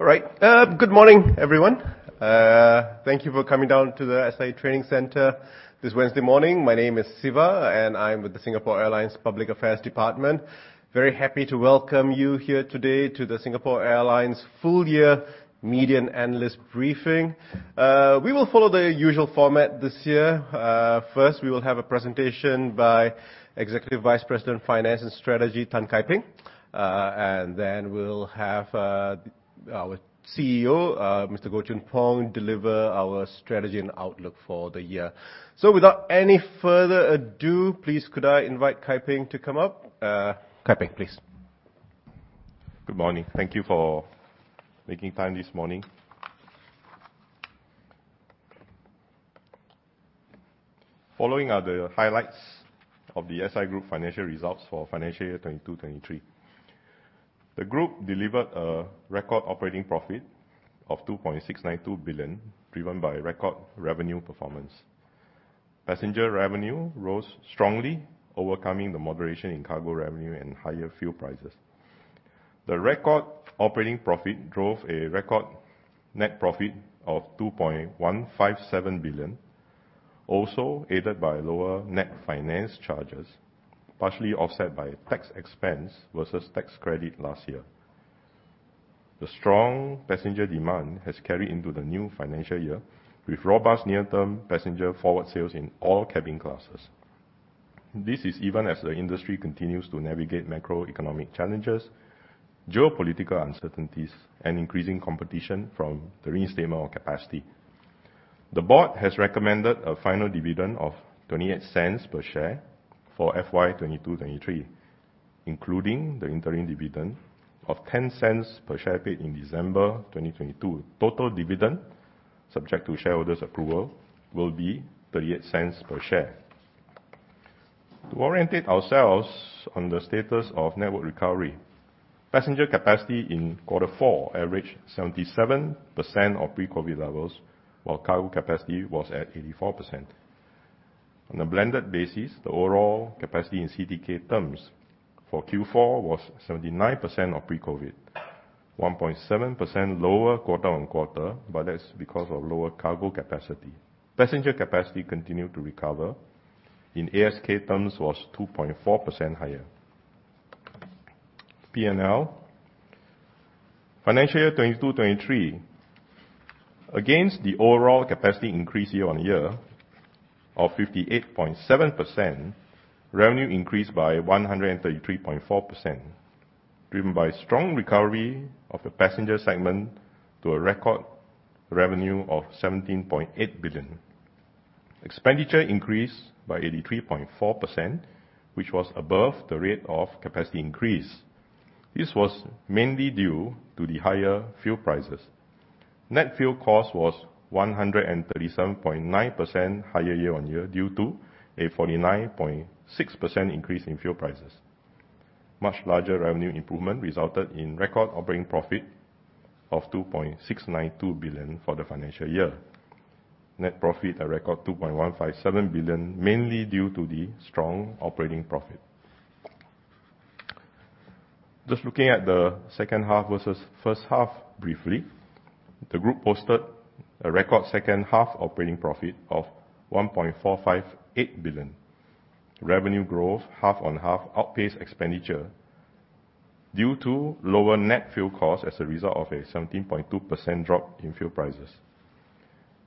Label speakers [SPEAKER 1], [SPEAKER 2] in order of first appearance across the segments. [SPEAKER 1] All right. Good morning, everyone. Thank you for coming down to the SIA Training Centre this Wednesday morning. My name is Siva, and I'm with the Singapore Airlines Public Affairs department. Very happy to welcome you here today to the Singapore Airlines full year median analyst briefing. We will follow the usual format this year. First, we will have a presentation by Executive Vice President, Finance and Strategy, Tan Kai Ping. We'll have, our CEO, Mr. Goh Choon Phong, deliver our strategy and outlook for the year. Without any further ado, please, could I invite Kai Ping to come up? Kai Ping, please.
[SPEAKER 2] Good morning. Thank you for making time this morning. Following are the highlights of the SIA Group financial results for financial years 2022-2023. The group delivered a record operating profit of 2.692 billion, driven by record revenue performance. Passenger revenue rose strongly, overcoming the moderation in cargo revenue and higher fuel prices. The record operating profit drove a record net profit of 2.157 billion, also aided by lower net finance charges, partially offset by tax expense versus tax credit last year. The strong passenger demand has carried into the new financial year with robust near-term passenger forward sales in all cabin classes. This is even as the industry continues to navigate macroeconomic challenges, geopolitical uncertainties, and increasing competition from the reinstatement of capacity. The board has recommended a final dividend of 0.28 per share for FY 2022-2023, including the interim dividend of 0.10 per share paid in December 2022. Total dividend subject to shareholders' approval will be 0.38 per share. To orientate ourselves on the status of network recovery, passenger capacity in quarter four averaged 77% of pre-COVID levels, while cargo capacity was at 84%. On a blended basis, the overall capacity in CTK terms for Q4 was 79% of pre-COVID, 1.7% lower quarter-on-quarter, but that's because of lower cargo capacity. Passenger capacity continued to recover. In ASK terms was 2.4 higher. P&L. Financial year 2022-2023. Against the overall capacity increase year-on-year of 58.7%, revenue increased by 133.4%, driven by strong recovery of the passenger segment to a record revenue of 17.8 billion. Expenditure increased by 83.4%, which was above the rate of capacity increase. This was mainly due to the higher fuel prices. Net fuel cost was 137.9% higher year-on-year due to a 49.6% increase in fuel prices. Much larger revenue improvement resulted in record operating profit of 2.692 billion for the financial year. Net profit, a record 2.157 billion, mainly due to the strong operating profit. Just looking at the second half versus first half briefly. The group posted a record second half operating profit of 1.458 billion. Revenue growth half-on-half outpaced expenditure due to lower net fuel cost as a result of a 17.2% drop in fuel prices.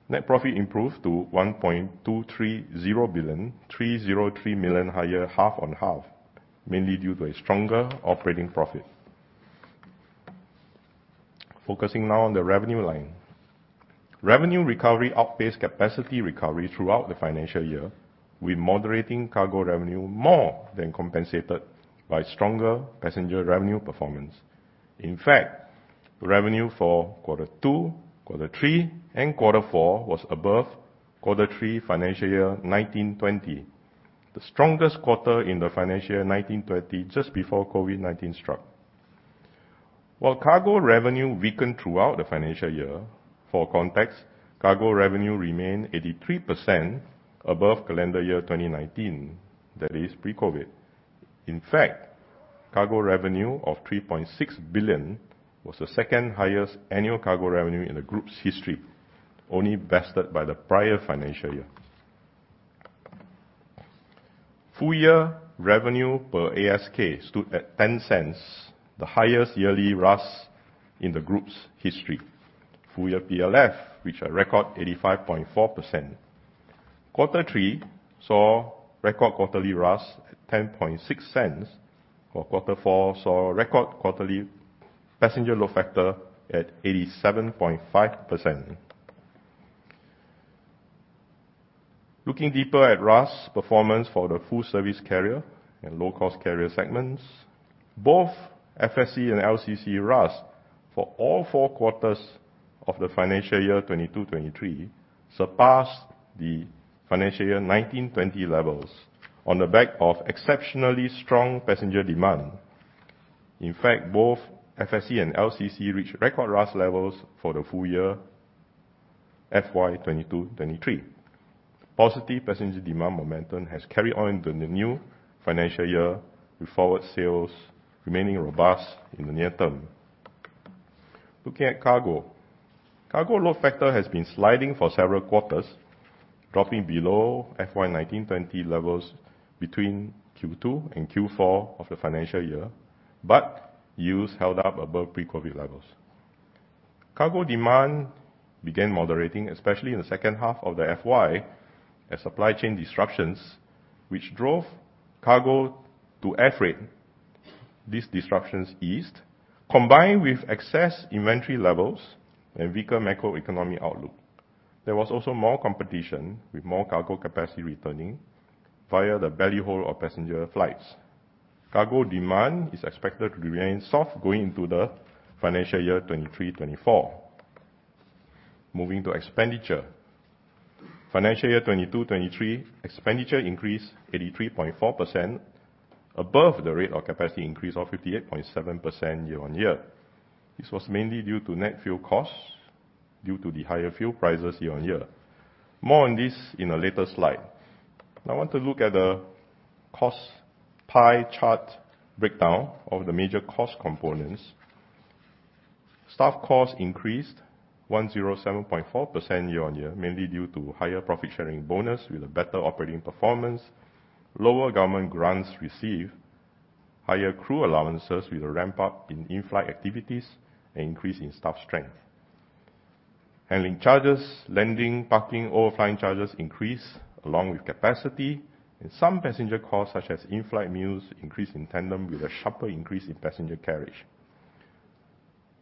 [SPEAKER 2] Net profit improved to 1.230 billion, 303 million higher half-on-half, mainly due to a stronger operating profit. Focusing now on the revenue line. Revenue recovery outpaced capacity recovery throughout the financial year, with moderating cargo revenue more than compensated by stronger passenger revenue performance. In fact, revenue for quarter two, quarter three, and quarter four was above quarter three financial year 2019-2020, the strongest quarter in the financial year 2019-2020 just before COVID-19 struck. While cargo revenue weakened throughout the financial year, for context, cargo revenue remained 83% above calendar year 2019, that is pre-COVID. In fact, cargo revenue of 3.6 billion was the second highest annual cargo revenue in the Group's history, only bested by the prior financial year. Full year revenue per ASK stood at 0.10, the highest yearly RASK in the Group's history. Full year PLF reached a record 85.4%. Quarter three saw record quarterly RASK at 0.106, while Quarter four saw a record quarterly passenger load factor at 87.5%. Looking deeper at RASK performance for the full-service carrier and low-cost carrier segments, both FSC and LCC RASK for all 4 quarters of the financial year 2022-2023 surpassed the financial year 2019-2020 levels on the back of exceptionally strong passenger demand. In fact, both FSC and LCC reached record RASK levels for the full year FY2022-2023. Positive passenger demand momentum has carried on into the new financial year, with forward sales remaining robust in the near term. Looking at cargo. Cargo load factor has been sliding for several quarters, dropPing below FY2019-2020 levels between Q2 and Q4 of the financial year. Use held up above pre-COVID levels. Cargo demand began moderating, especially in the second half of the FY as supply chain disruptions which drove cargo to air freight. These disruptions eased, combined with excess inventory levels and weaker macroeconomic outlook. There was also more competition with more cargo capacity returning via the belly hold of passenger flights. Cargo demand is expected to remain soft going into FY2023-24. Moving to expenditure. FY2022-23, expenditure increased 83.4% above the rate of capacity increase of 58.7% year-on-year. This was mainly due to net fuel costs due to the higher fuel prices year-on-year. More on this in a later slide. I want to look at the cost pie chart breakdown of the major cost components. Staff costs increased 107.4% year-on-year, mainly due to higher profit sharing bonus with a better operating performance, lower government grants received, higher crew allowances with a ramp up in in-flight activities and increase in staff strength. Handling charges, landing, parking, overflying charges increased along with capacity and some passenger costs, such as in-flight meals, increased in tandem with a sharper increase in passenger carriage.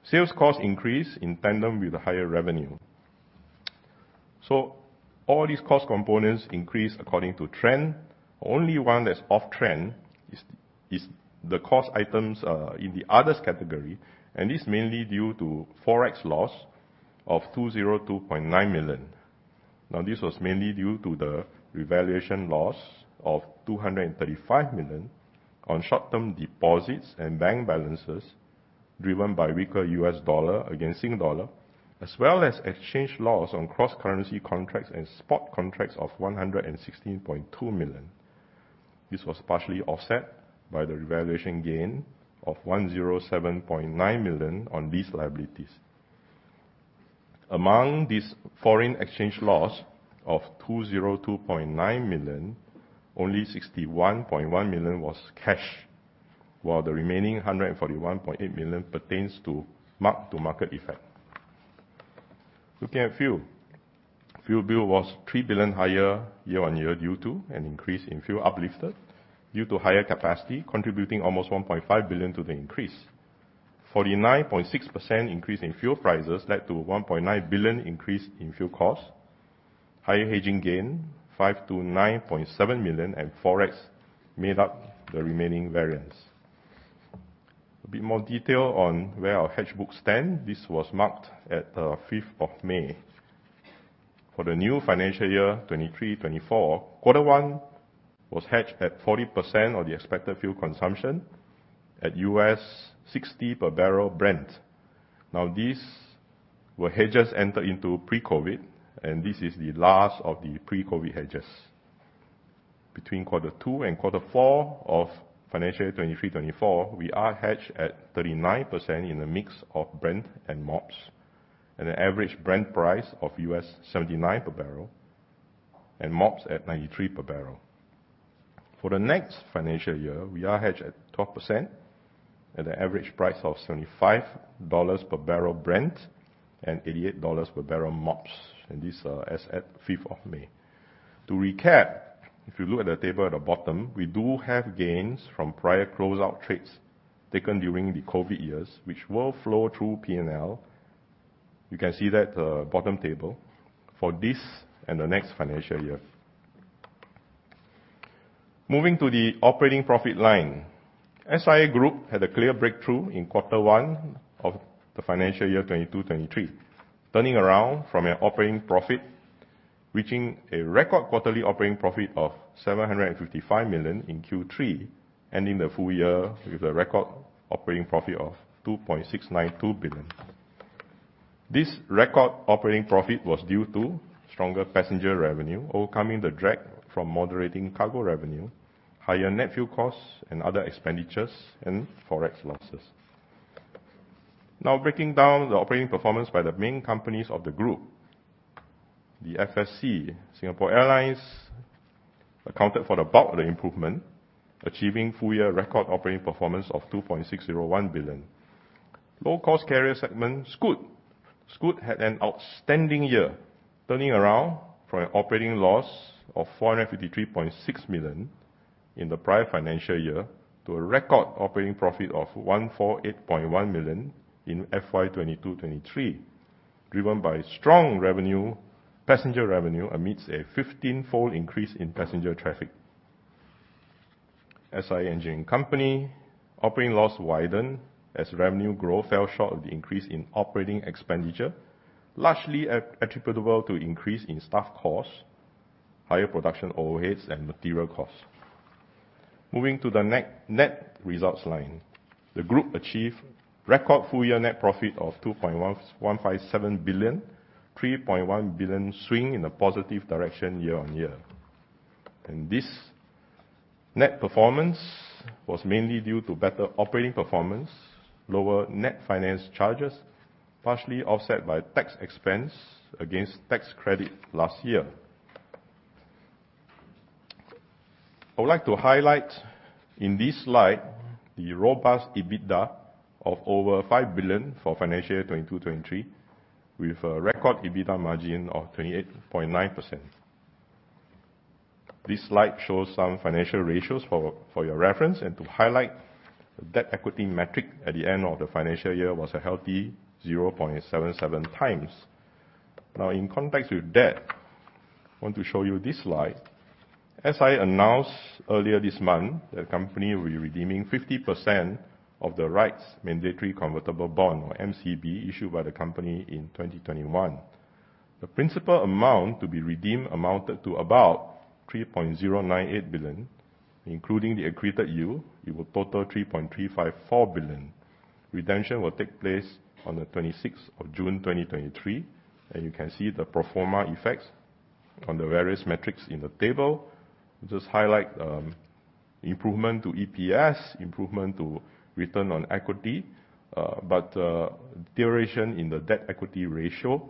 [SPEAKER 2] Sales costs increased in tandem with the higher revenue. All these cost components increased according to trend. Only one that's off trend is the cost items in the others category. This mainly due to 202.9 million Forex loss. This was mainly due to the revaluation loss of 235 million on short-term deposits and bank balances driven by weaker US dollar against Sing Dollar, as well as exchange losses on cross-currency contracts and spot contracts of 116.2 million. This was partially offset by the revaluation gain of 107.9 million on these liabilities. Among these foreign exchange loss of 202.9 million, only 61.1 million was cash, while the remaining 141.8 million pertains to mark-to-market effect. Looking at fuel. Fuel bill was 3 billion higher year-on-year due to an increase in fuel uplifted due to higher capacity, contributing almost 1.5 billion to the increase. 49.6% increase in fuel prices led to 1.9 billion increase in fuel costs. Higher hedging gain, 5 million-9.7 million and Forex made up the remaining variance. A bit more detail on where our hedge books stand. This was marked at the 5th of May. For the new financial year 2023-2024, quarter one was hedged at 40% of the expected fuel consumption at US$60 per barrel Brent. These were hedges entered into pre-COVID, and this is the last of the pre-COVID hedges. Between Q2 and Q4 of financial year 2023, 2024, we are hedged at 39% in the mix of Brent and MOPS at an average Brent price of US$79 per barrel and MOPS at $93 per barrel. For the next financial year, we are hedged at 12% at an average price of $75 per barrel Brent and $88 per barrel MOPS. This, as at 5th of May. To recap, if you look at the table at the bottom, we do have gains from prior close out trades taken during the COVID years, which will flow through PNL. You can see that bottom table for this and the next financial year. Moving to the operating profit line. SIA Group had a clear breakthrough in quarter one of the financial year 2022-2023, turning around from an operating profit, reaching a record quarterly operating profit of 755 million in Q3, ending the full year with a record operating profit of 2.692 billion. This record operating profit was due to stronger passenger revenue, overcoming the drag from moderating cargo revenue, higher net fuel costs and other expenditures and Forex losses. Breaking down the operating performance by the main companies of the group. The FSC Singapore Airlines accounted for the bulk of the improvement, achieving full year record operating performance of 2.601 billion. Low-cost carrier segment Scoot. Scoot had an outstanding year, turning around from an operating loss of 453.6 million in the prior financial year to a record operating profit of 148.1 million in FY 2022, 2023, driven by strong revenue, passenger revenue amidst a 15-fold increase in passenger traffic. SIA Engineering Company operating loss widened as revenue growth fell short of the increase in operating expenditure, largely attributable to increase in staff costs, higher production overheads and material costs. Moving to the net results line. The group achieved record full-year net profit of 2.1157 billion, 3.1 billion swing in a positive direction year-on-year. This net performance was mainly due to better operating performance, lower net finance charges, partially offset by tax expense against tax credit last year. I would like to highlight in this slide the robust EBITDA of over $5 billion for FY 2022-2023, with a record EBITDA margin of 28.9%. This slide shows some financial ratios for your reference, and to highlight that equity metric at the end of the financial year was a healthy 0.77 times. In context with debt, I want to show you this slide. As I announced earlier this month, the company will be redeeming 50% of the rights mandatory convertible bond, or MCB, issued by the company in 2021. The principal amount to be redeemed amounted to about $3.098 billion, including the accreted yield, it will total $3.354 billion. Redemption will take place on the 26th of June, 2023. You can see the pro forma effects on the various metrics in the table. It does highlight improvement to EPS, improvement to return on equity, duration in the debt equity ratio.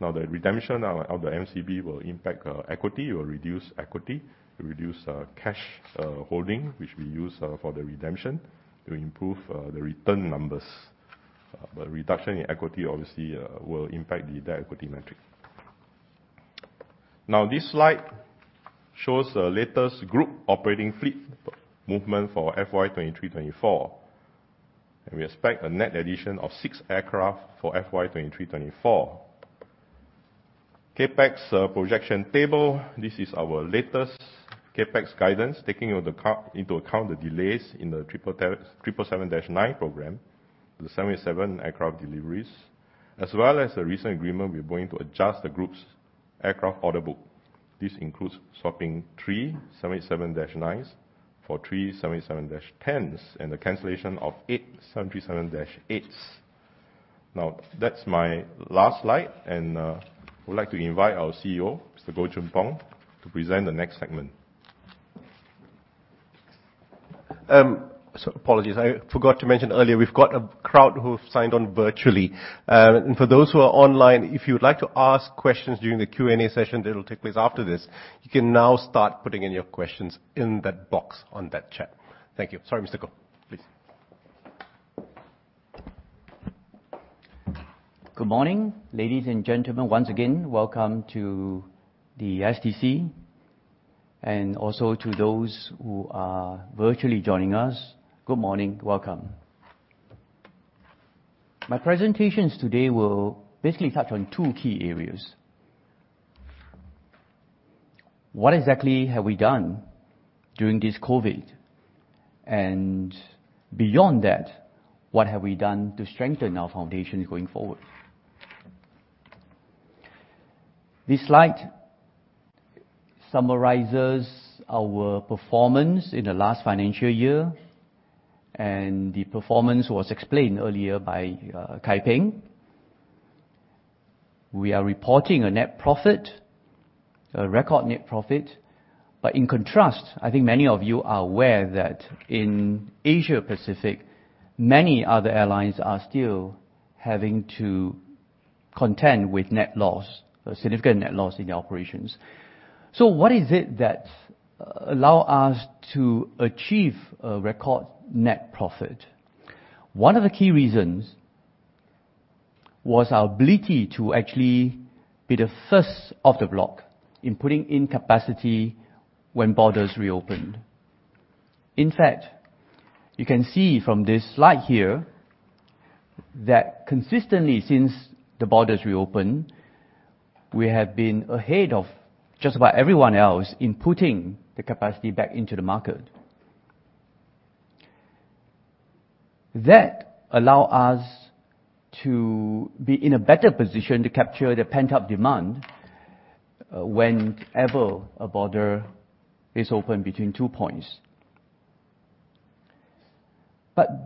[SPEAKER 2] The redemption of the MCB will impact equity or reduce equity. It will reduce cash holding, which we use for the redemption to improve the return numbers. Reduction in equity obviously will impact the debt equity metric. This slide shows the latest group operating fleet movement for FY 2023-2024. We expect a net addition of six aircraft for FY 2023-2024. CapEx projection table. This is our latest CapEx guidance, taking into account the delays in the 777-9 program, the 777 aircraft deliveries, as well as the recent agreement, we're going to adjust the group's aircraft order book. This includes swapPing three 777-9s for 3 777-10s and the cancellation of eight 777-8s. Now, that's my last slide, and I would like to invite our CEO, Mr. Goh Choon Phong, to present the next segment.
[SPEAKER 1] Apologies, I forgot to mention earlier, we've got a crowd who have signed on virtually. For those who are online, if you would like to ask questions during the Q&A session that will take place after this, you can now start putting in your questions in that box on that chat. Thank you. Sorry, Mr. Goh, please.
[SPEAKER 3] Good morning, ladies and gentlemen. Once again, welcome to the STC, and also to those who are virtually joining us, good morning, welcome. My presentations today will basically touch on two key areas. What exactly have we done during this COVID? Beyond that, what have we done to strengthen our foundations going forward? This slide summarizes our performance in the last financial year. The performance was explained earlier by Kai Ping. We are reporting a net profit, a record net profit, but in contrast, I think many of you are aware that in Asia Pacific, many other airlines are still having to contend with net loss, a significant net loss in the operations. What is it that allow us to achieve a record net profit? One of the key reasons was our ability to actually be the first of the block in putting in capacity when borders reopened. In fact, you can see from this slide here that consistently since the borders reopened, we have been ahead of just about everyone else in putting the capacity back into the market. That allow us to be in a better position to capture the pent-up demand, whenever a border is open between two points.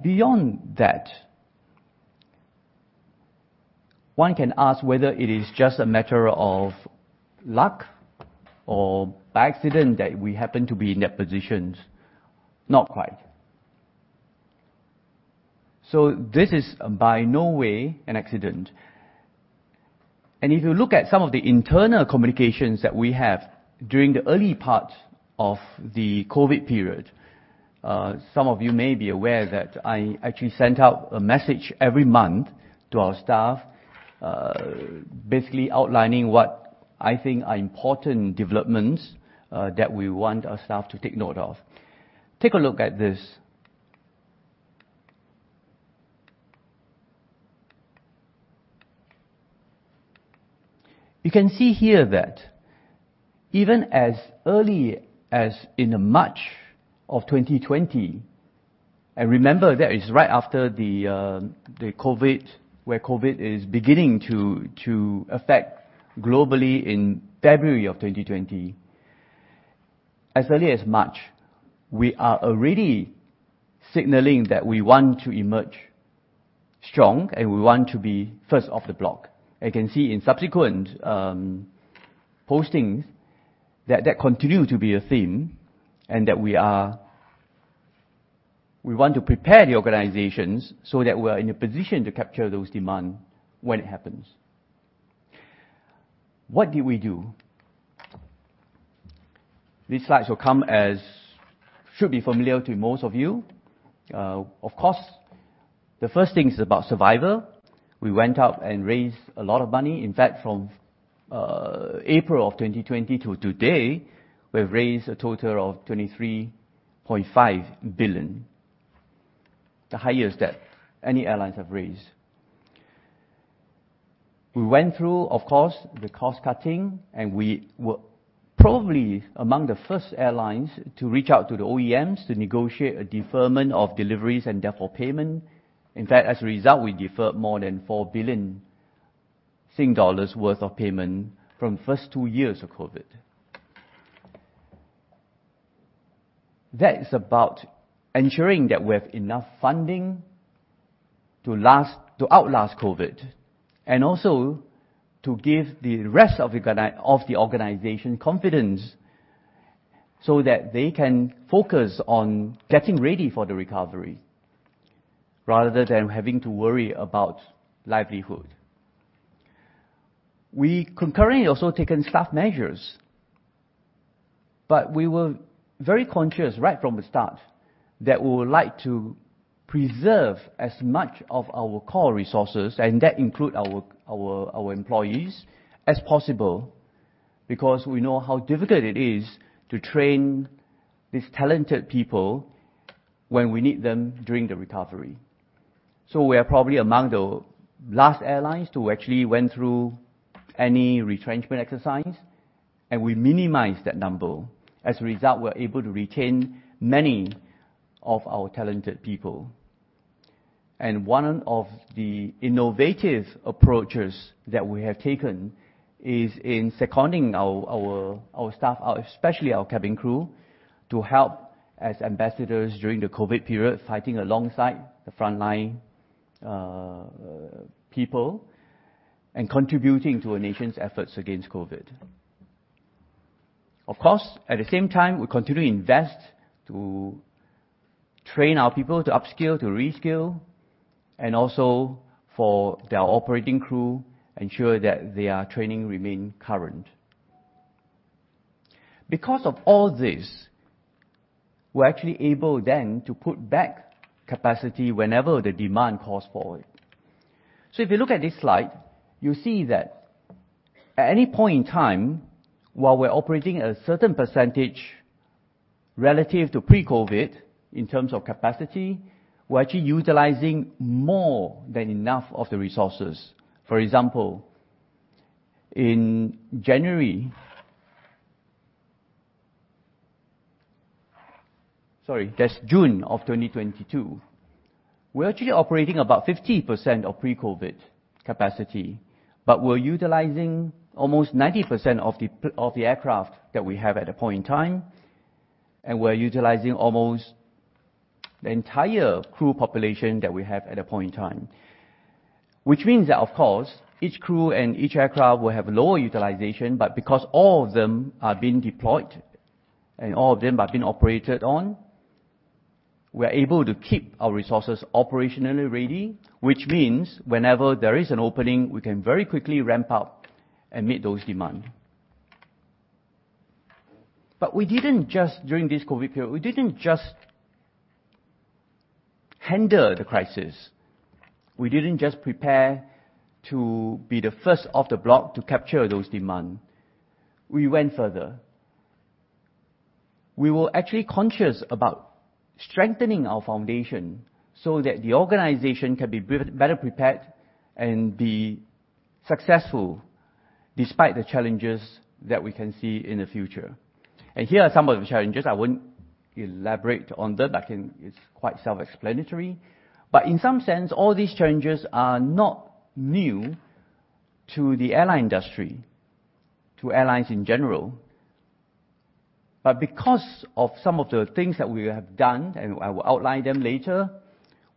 [SPEAKER 3] Beyond that, one can ask whether it is just a matter of luck or by accident that we happen to be in that position. Not quite. This is by no way an accident. If you look at some of the internal communications that we have during the early part of the COVID period, some of you may be aware that I actually sent out a message every month to our staff, basically outlining what I think are important developments, that we want our staff to take note of. Take a look at this. You can see here that even as early as in March of 2020. Remember that is right after the COVID, where COVID is beginning to affect globally in February of 2020. As early as March, we are already signaling that we want to emerge strong and we want to be first off the block. You can see in subsequent postings that continue to be a theme and that we want to prepare the organizations so that we're in a position to capture those demand when it happens. What did we do? These slides will come as should be familiar to most of you. Of course, the first thing is about survival. We went out and raised a lot of money. In fact, from April of 2020 to today, we have raised a total of 23.5 billion, the highest that any airlines have raised. We went through, of course, the cost cutting, and we were probably among the first airlines to reach out to the OEMs to negotiate a deferment of deliveries and therefore payment. In fact, as a result, we deferred more than 4 billion dollars worth of payment from first 2 years of COVID. That is about ensuring that we have enough funding to outlast COVID, and also to give the rest of the organization confidence so that they can focus on getting ready for the recovery rather than having to worry about livelihood. We concurrently also taken staff measures, but we were very conscious right from the start that we would like to preserve as much of our core resources, and that include our employees, as possible because we know how difficult it is to train these talented people when we need them during the recovery. We are probably among the last airlines to actually went through any retrenchment exercise, and we minimized that number. As a result, we're able to retain many of our talented people. One of the innovative approaches that we have taken is in seconding our staff, especially our cabin crew, to help as ambassadors during the COVID period, fighting alongside the frontline people and contributing to a nation's efforts against COVID. Of course, at the same time, we continue to invest to train our people to upskill, to reskill, and also for their operating crew ensure that their training remain current. Because of all this, we're actually able then to put back capacity whenever the demand calls for it. If you look at this slide, you see that at any point in time, while we're operating a certain percentage relative to pre-COVID in terms of capacity, we're actually utilizing more than enough of the resources. For example, in June of 2022. We're actually operating about 50% of pre-COVID capacity, but we're utilizing almost 90% of the aircraft that we have at that point in time, and we're utilizing almost the entire crew population that we have at that point in time. Which means that, of course, each crew and each aircraft will have lower utilization, but because all of them are being deployed and all of them are being operated on, we are able to keep our resources operationally ready, which means whenever there is an opening, we can very quickly ramp up and meet those demand. During this COVID period, we didn't just handle the crisis. We didn't just prepare to be the first off the block to capture those demand. We went further. We were actually conscious about strengthening our foundation so that the organization can be better prepared and be successful despite the challenges that we can see in the future. Here are some of the challenges. I wouldn't elaborate on that. It's quite self-explanatory. In some sense, all these challenges are not new to the airline industry, to airlines in general. Because of some of the things that we have done, and I will outline them later,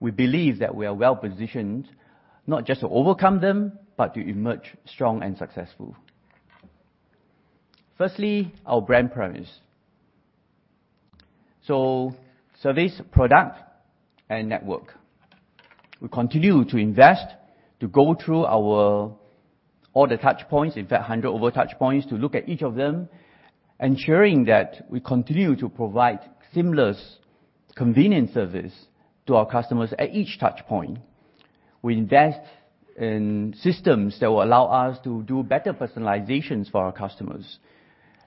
[SPEAKER 3] we believe that we are well-positioned not just to overcome them, but to emerge strong and successful. Firstly, our brand premise. Service, product, and network. We continue to invest to go through all the touch points, in fact, 100 over touch points, to look at each of them, ensuring that we continue to provide seamless, convenient service to our customers at each touch point. We invest in systems that will allow us to do better personalizations for our customers.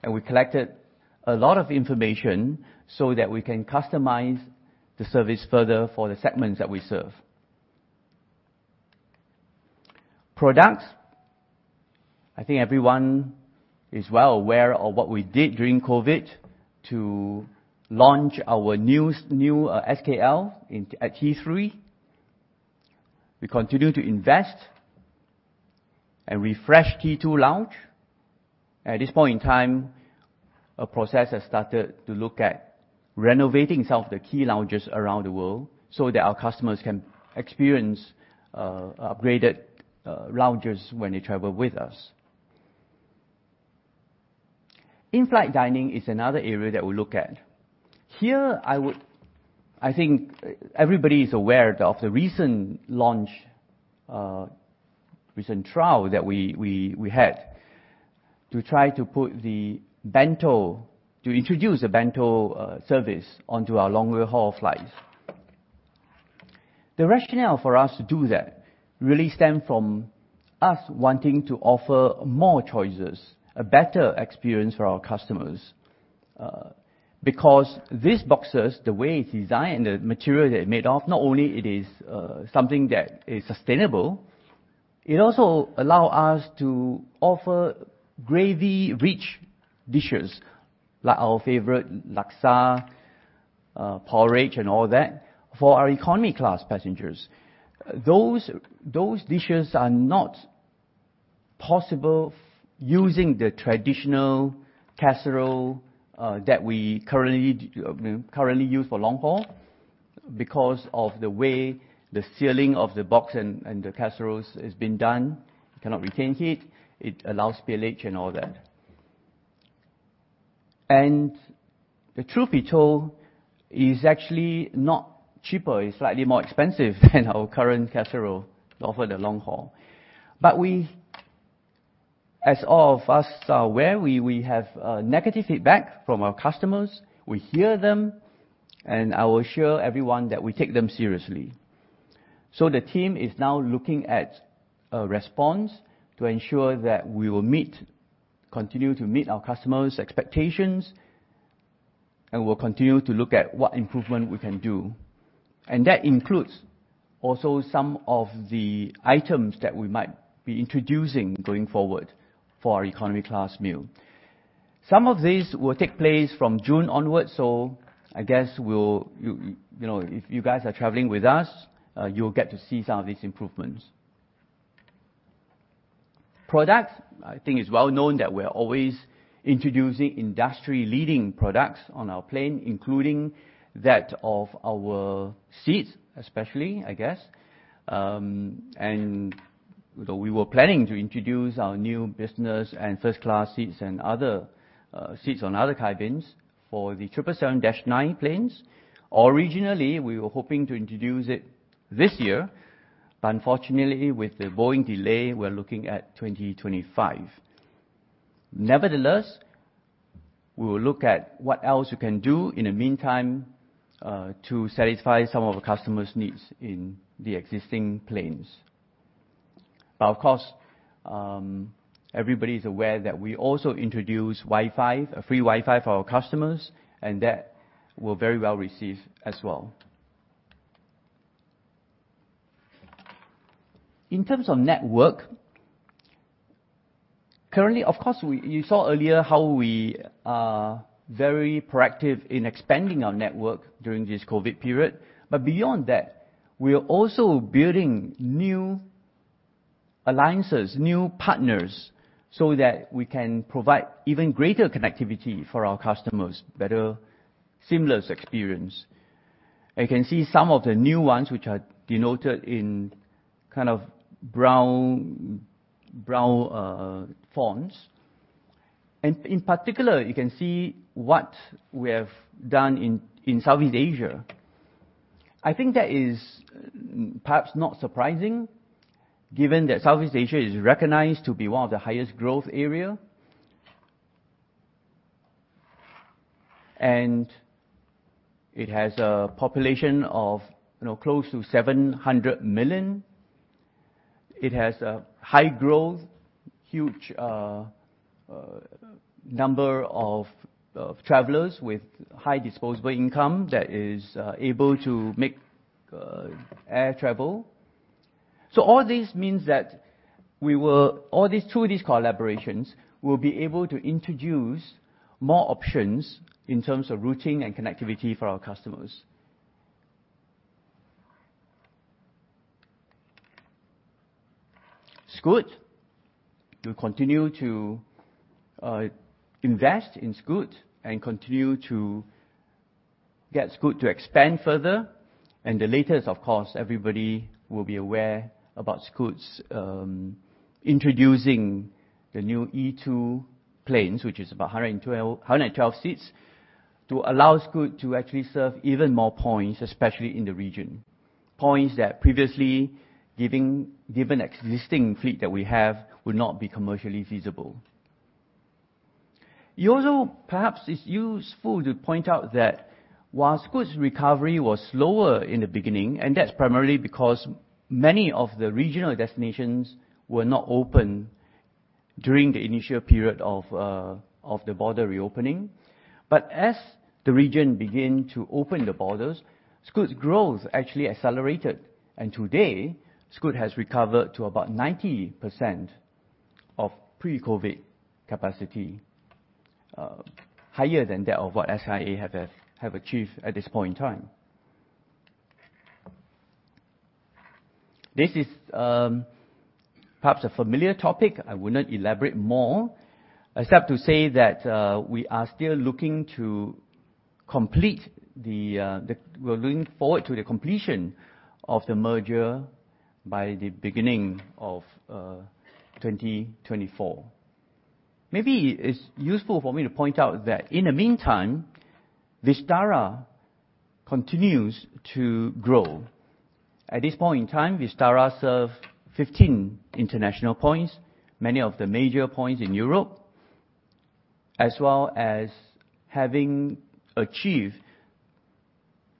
[SPEAKER 3] We collected a lot of information so that we can customize the service further for the segments that we serve. Products. I think everyone is well aware of what we did during COVID to launch our new SKL at T3. We continue to invest and refresh T2 lounge. At this point in time, a process has started to look at renovating some of the key lounges around the world so that our customers can experience upgraded lounges when they travel with us. In-flight dining is another area that we'll look at. Here, I think everybody is aware of the recent launch, recent trial that we had to introduce a bento service onto our long-haul flights. The rationale for us to do that really stem from us wanting to offer more choices, a better experience for our customers, because these boxes, the way it's designed, the material they're made of, not only it is something that is sustainable, it also allow us to offer gravy-rich dishes, like our favorite laksa, porridge and all that for our economy class passengers. Those dishes are not possible using the traditional casserole that we currently use for long haul because of the way the sealing of the box and the casseroles has been done. It cannot retain heat. It allows spillage and all that. The truth be told, it's actually not cheaper. It's slightly more expensive than our current casserole to offer the long haul. We, as all of us are aware, we have negative feedback from our customers. We hear them. I will assure everyone that we take them seriously. The team is now looking at a response to ensure that we will meet, continue to meet our customers' expectations, and we'll continue to look at what improvement we can do. That includes also some of the items that we might be introducing going forward for our economy class meal. Some of these will take place from June onwards. I guess you know, if you guys are traveling with us, you'll get to see some of these improvements. Products, I think it's well known that we're always introducing industry-leading products on our plane, including that of our seats, especially, I guess. We were planning to introduce our new business and first class seats and other seats on other cabins for the 777-9 planes. Originally, we were hoPing to introduce it this year, but unfortunately, with the Boeing delay, we're looking at 2025. Nevertheless, we will look at what else we can do in the meantime, to satisfy some of the customers' needs in the existing planes. Of course, everybody's aware that we also introduce Wi-Fi, a free Wi-Fi for our customers, and that were very well-received as well. In terms of network, currently, of course, you saw earlier how we are very proactive in expanding our network during this COVID period. Beyond that, we are also building new alliances, new partners, so that we can provide even greater connectivity for our customers, better, seamless experience. You can see some of the new ones which are denoted in kind of brown fonts. In particular, you can see what we have done in Southeast Asia. I think that is perhaps not surprising given that Southeast Asia is recognized to be one of the highest growth area. It has a population of, you know, close to 700 million. It has a high growth, huge number of travelers with high disposable income that is able to make air travel. All this means that through these collaborations, we'll be able to introduce more options in terms of routing and connectivity for our customers. Scoot. We'll continue to invest in Scoot and continue to get Scoot to expand further. The latest, of course, everybody will be aware about Scoot's introducing the new E2 planes, which is about 112 seats, to allow Scoot to actually serve even more points, especially in the region, points that previously given existing fleet that we have would not be commercially feasible. It also, perhaps it's useful to point out that while Scoot's recovery was slower in the beginning, and that's primarily because many of the regional destinations were not open during the initial period of the border reopening. As the region began to open the borders, Scoot's growth actually accelerated. Today, Scoot has recovered to about 90% of pre-COVID capacity, higher than that of what SIA have achieved at this point in time. This is, perhaps a familiar topic. I will not elaborate more, except to say that we're going forward to the completion of the merger by the beginning of 2024. Maybe it's useful for me to point out that in the meantime, Vistara continues to grow. At this point in time, Vistara serves 15 international points, many of the major points in Europe, as well as having achieved,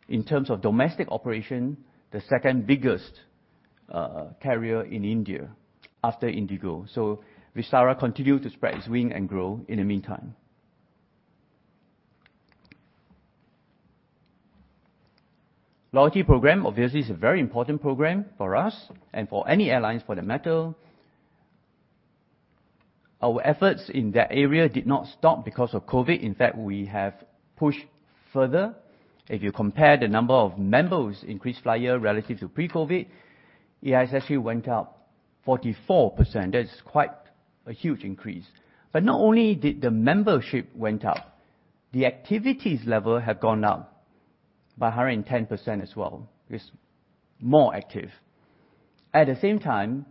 [SPEAKER 3] in terms of domestic operation, the 2nd-biggest carrier in India after IndiGo. Vistara continue to spread its wing and grow in the meantime. Loyalty program, obviously, is a very important program for us and for any airlines for that matter. Our efforts in that area did not stop because of COVID. In fact, we have pushed further. If you compare the number of members in KrisFlyer relative to pre-COVID, it has actually went up 44%. That's quite a huge increase. Not only did the membership went up, the activities level have gone up by 110% as well. It's more active. At the same time,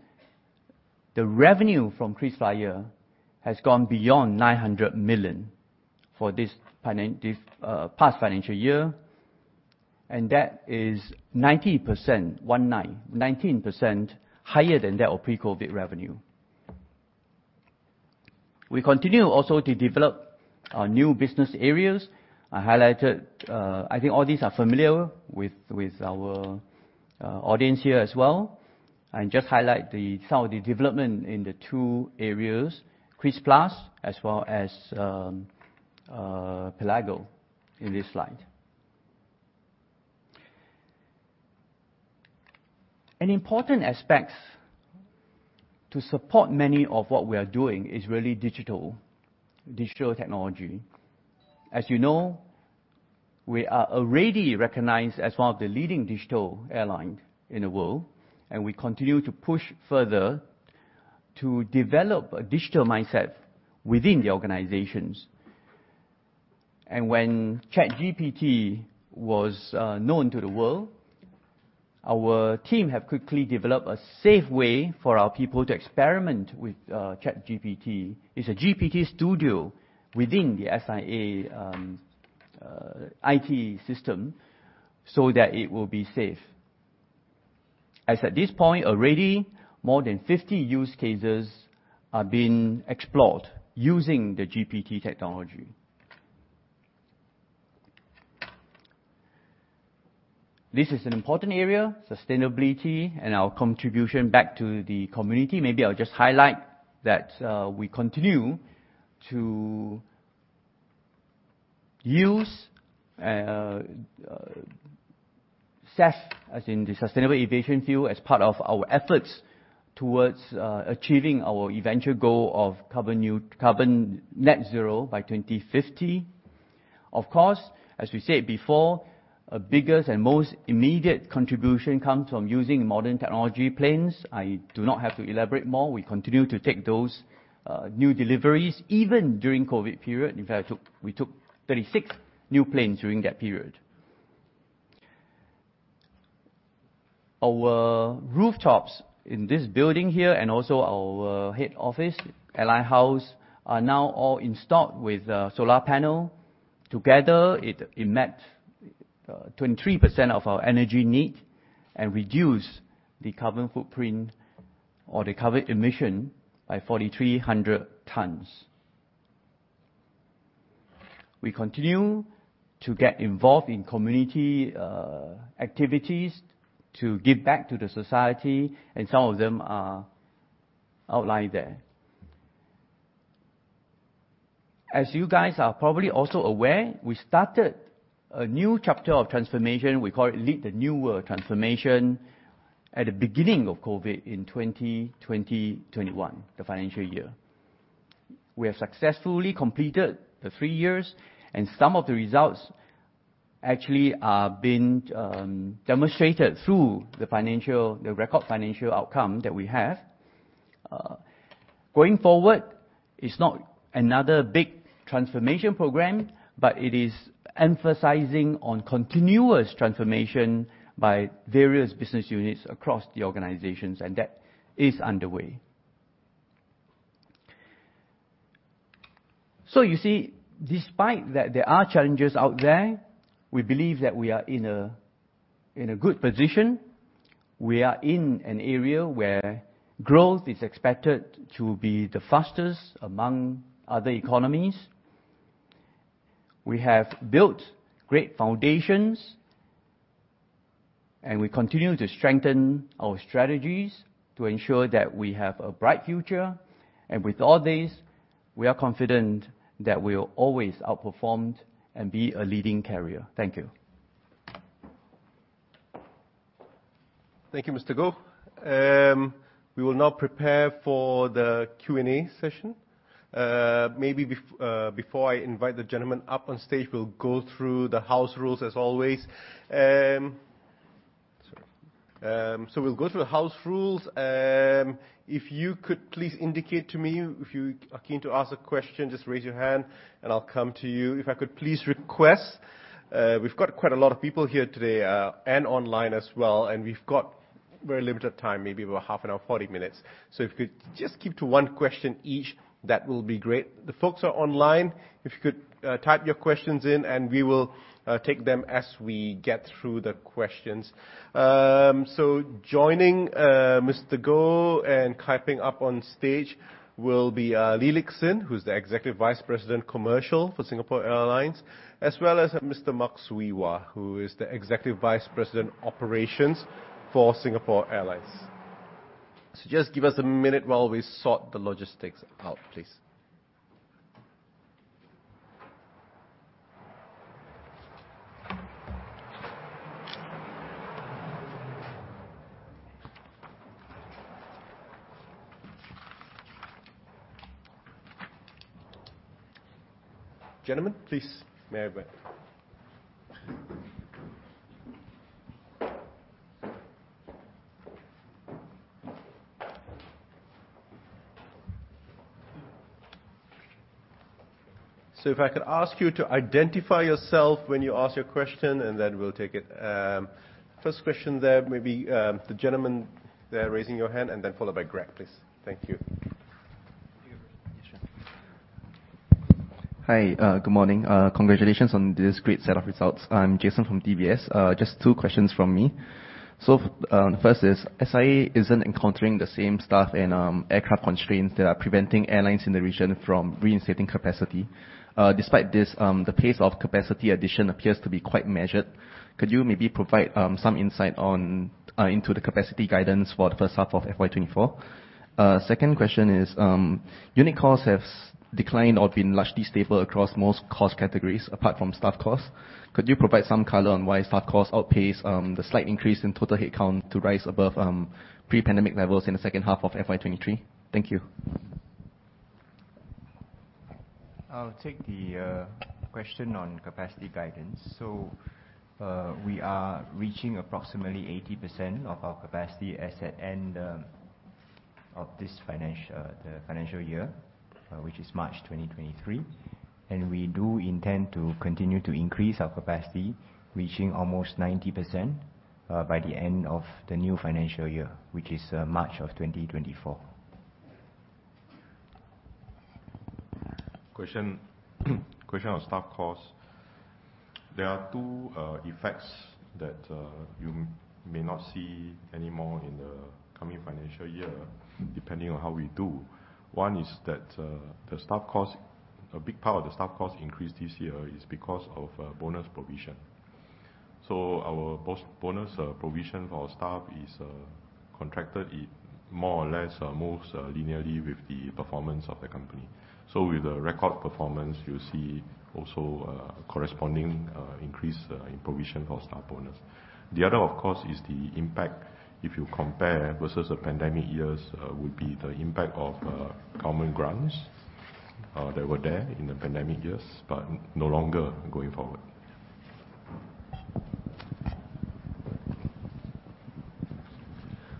[SPEAKER 3] the revenue from KrisFlyer has gone beyond 900 million for this past financial year, and that is 19% higher than that of pre-COVID revenue. We continue also to develop our new business areas. I highlighted. I think all these are familiar with our audience here as well. I just highlight the some of the development in the two areas, Kris+ as well as Pelago, in this slide. An important aspect to support many of what we are doing is really digital technology. As you know, we are already recognized as one of the leading digital airline in the world, and we continue to push further to develop a digital mindset within the organizations. When ChatGPT was known to the world, our team have quickly developed a safe way for our people to experiment with ChatGPT. It's a GPT Studio within the SIA IT system so that it will be safe. As at this point, already more than 50 use cases are being explored using the GPT technology. This is an important area, sustainability and our contribution back to the community. Maybe I'll just highlight that we continue to use SAF, as in the sustainable aviation fuel, as part of our efforts towards achieving our eventual goal of carbon net zero by 2050. Of course, as we said before, our biggest and most immediate contribution comes from using modern technology planes. I do not have to elaborate more. We continue to take those new deliveries even during COVID period. In fact, we took 36 new planes during that period. Our rooftops in this building here and also our head office, Airline House, are now all installed with solar panel. Together, it met 23% of our energy need and reduced the carbon footprint or the carbon emission by 4,300 tons. We continue to get involved in community activities to give back to the society. Some of them are outlined there. As you guys are probably also aware, we started a new chapter of transformation. We call it Lead the New World Transformation at the beginning of COVID in 2020-2021, the financial year. We have successfully completed the three years. Some of the results actually are being demonstrated through the record financial outcome that we have. Going forward, it's not another big transformation program, but it is emphasizing on continuous transformation by various business units across the organizations. That is underway. You see, despite that there are challenges out there, we believe that we are in a good position. We are in an area where growth is expected to be the fastest among other economies. We have built great foundations. We continue to strengthen our strategies to ensure that we have a bright future. With all this, we are confident that we will always outperformed and be a leading carrier. Thank you.
[SPEAKER 1] Thank you, Mr. Goh. We will now prepare for the Q&A session. Before I invite the gentleman up on stage, we'll go through the house rules as always. We'll go through the house rules. If you could please indicate to me if you are keen to ask a question, just raise your hand and I'll come to you. If I could please request, we've got quite a lot of people here today, and online as well, and we've got very limited time, maybe about half an hour, 40 minutes. If you could just keep to one question each, that will be great. The folks who are online, if you could type your questions in, and we will take them as we get through the questions. Joining Mr. Goh and climbing up on stage will be Lee Lik Hsin, who's the Executive Vice President Commercial for Singapore Airlines, as well as Mr. Mak Swee Wah, who is the Executive Vice President Operations for Singapore Airlines. Just give us a minute while we sort the logistics out, please. Gentlemen, please, may I have your attention? If I could ask you to identify yourself when you ask your question, and then we'll take it. First question there, maybe, the gentleman there raising your hand, and then by Greg, please. Thank you.
[SPEAKER 4] Hi. Good morning. Congratulations on this great set of results. I'm Jason from DBS. Just two questions from me. First is SIA isn't encountering the same staff and aircraft constraints that are preventing airlines in the region from reinstating capacity. Despite this, the pace of capacity addition appears to be quite measured. Could you maybe provide some insight into the capacity guidance for the first half of FY 2024? Second question is, unit costs have declined or been largely stable across most cost categories apart from staff costs. Could you provide some color on why staff costs outpaced the slight increase in total headcount to rise above pre-pandemic levels in the second half of FY 2023? Thank you.
[SPEAKER 2] I'll take the question on capacity guidance. We are reaching approximately 80% of our capacity as at end of the financial year, which is March 2023. We do intend to continue to increase our capacity, reaching almost 90% by the end of the new financial year, which is March 2024. Question on staff costs. There are two effects that you may not see anymore in the coming financial year, depending on how we do. One is that the staff cost, a big part of the staff cost increase this year is because of bonus provision. Our bonus provision for our staff is contracted. It more or less moves linearly with the performance of the company. With a record performance, you'll see also corresponding increase in provision for staff bonus. The other, of course, is the impact, if you compare versus the pandemic years, would be the impact of government grants that were there in the pandemic years but no longer going forward.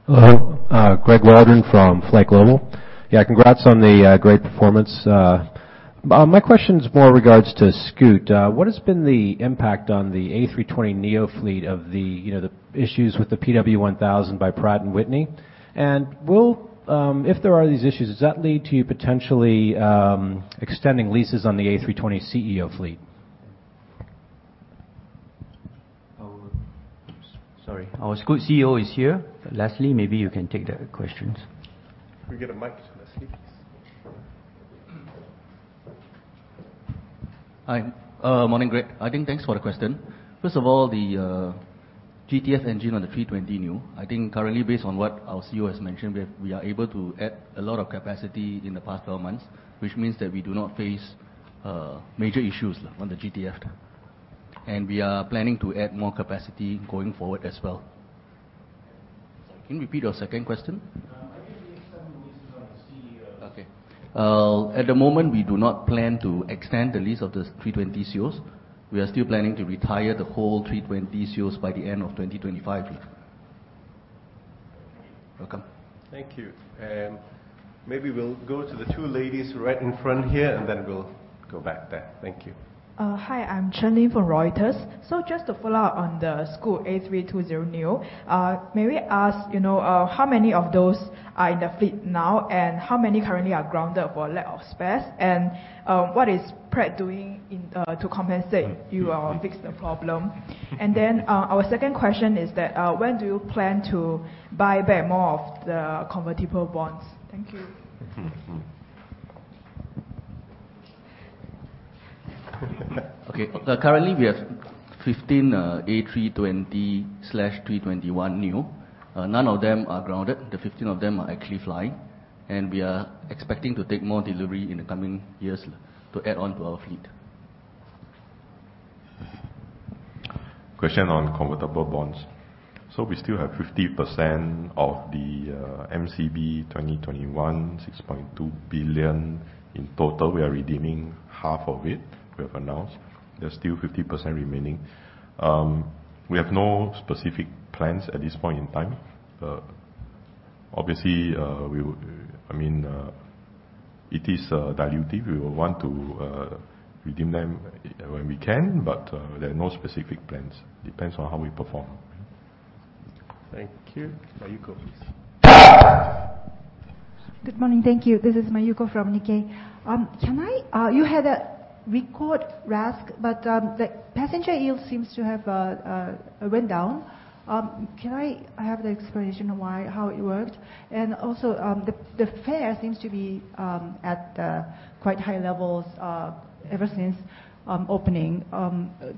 [SPEAKER 5] Hello. Greg Waldron from FlightGlobal. Yeah, congrats on the great performance. My question's more regards to Scoot. What has been the impact on the A320neo fleet of the, you know, the issues with the PW1000G by Pratt & Whitney? If there are these issues, does that lead to you potentially extending leases on the A320ceo fleet?
[SPEAKER 2] Oh, sorry. Our Scoot CEO is here. Leslie, maybe you can take the questions.
[SPEAKER 1] Can we get a mic to Leslie, please?
[SPEAKER 6] Hi. Morning, Greg. I think thanks for the question. First of all, the GTF engine on the A320neo, I think currently, based on what our CEO has mentioned, we are able to add a lot of capacity in the past 12 months, which means that we do not face major issues on the GTF. We are planning to add more capacity going forward as well. Sorry. Can you repeat your second question?
[SPEAKER 5] Maybe extending leases on the A320ceo.
[SPEAKER 6] Okay. At the moment, we do not plan to extend the lease of the A320ceos. We are still planning to retire the whole A320ceos by the end of 2025. You're welcome.
[SPEAKER 1] Thank you. Maybe we'll go to the two ladies right in front here, and then we'll go back there. Thank you.
[SPEAKER 7] Hi, I'm Chen Lin from Reuters. Just to follow up on the Scoot A320neo, may we ask, you know, how many of those are in the fleet now, and how many currently are grounded for lack of spares? What is Pratt doing in to compensate you or fix the problem? Our second question is that, when do you plan to buy back more of the convertible bonds? Thank you.
[SPEAKER 8] Okay. Currently, we have 15 A320/321neo. None of them are grounded. The 15 of them are actually flying. We are expecting to take more delivery in the coming years to add on to our fleet.
[SPEAKER 9] Question on convertible bonds. We still have 50% of the MCB 2021, 6.2 billion in total. We are redeeming half of it, we have announced. There's still 50% remaining. We have no specific plans at this point in time. Obviously, I mean, it is dilutive. We will want to redeem them when we can, but there are no specific plans. Depends on how we perform.
[SPEAKER 1] Thank you. Mayuko, please.
[SPEAKER 10] Good morning. Thank you. This is Mayuko from Nikkei. You had a record RASK, but the passenger yield seems to have went down. Can I have the explanation on why, how it worked? Also, the fare seems to be at quite high levels ever since opening.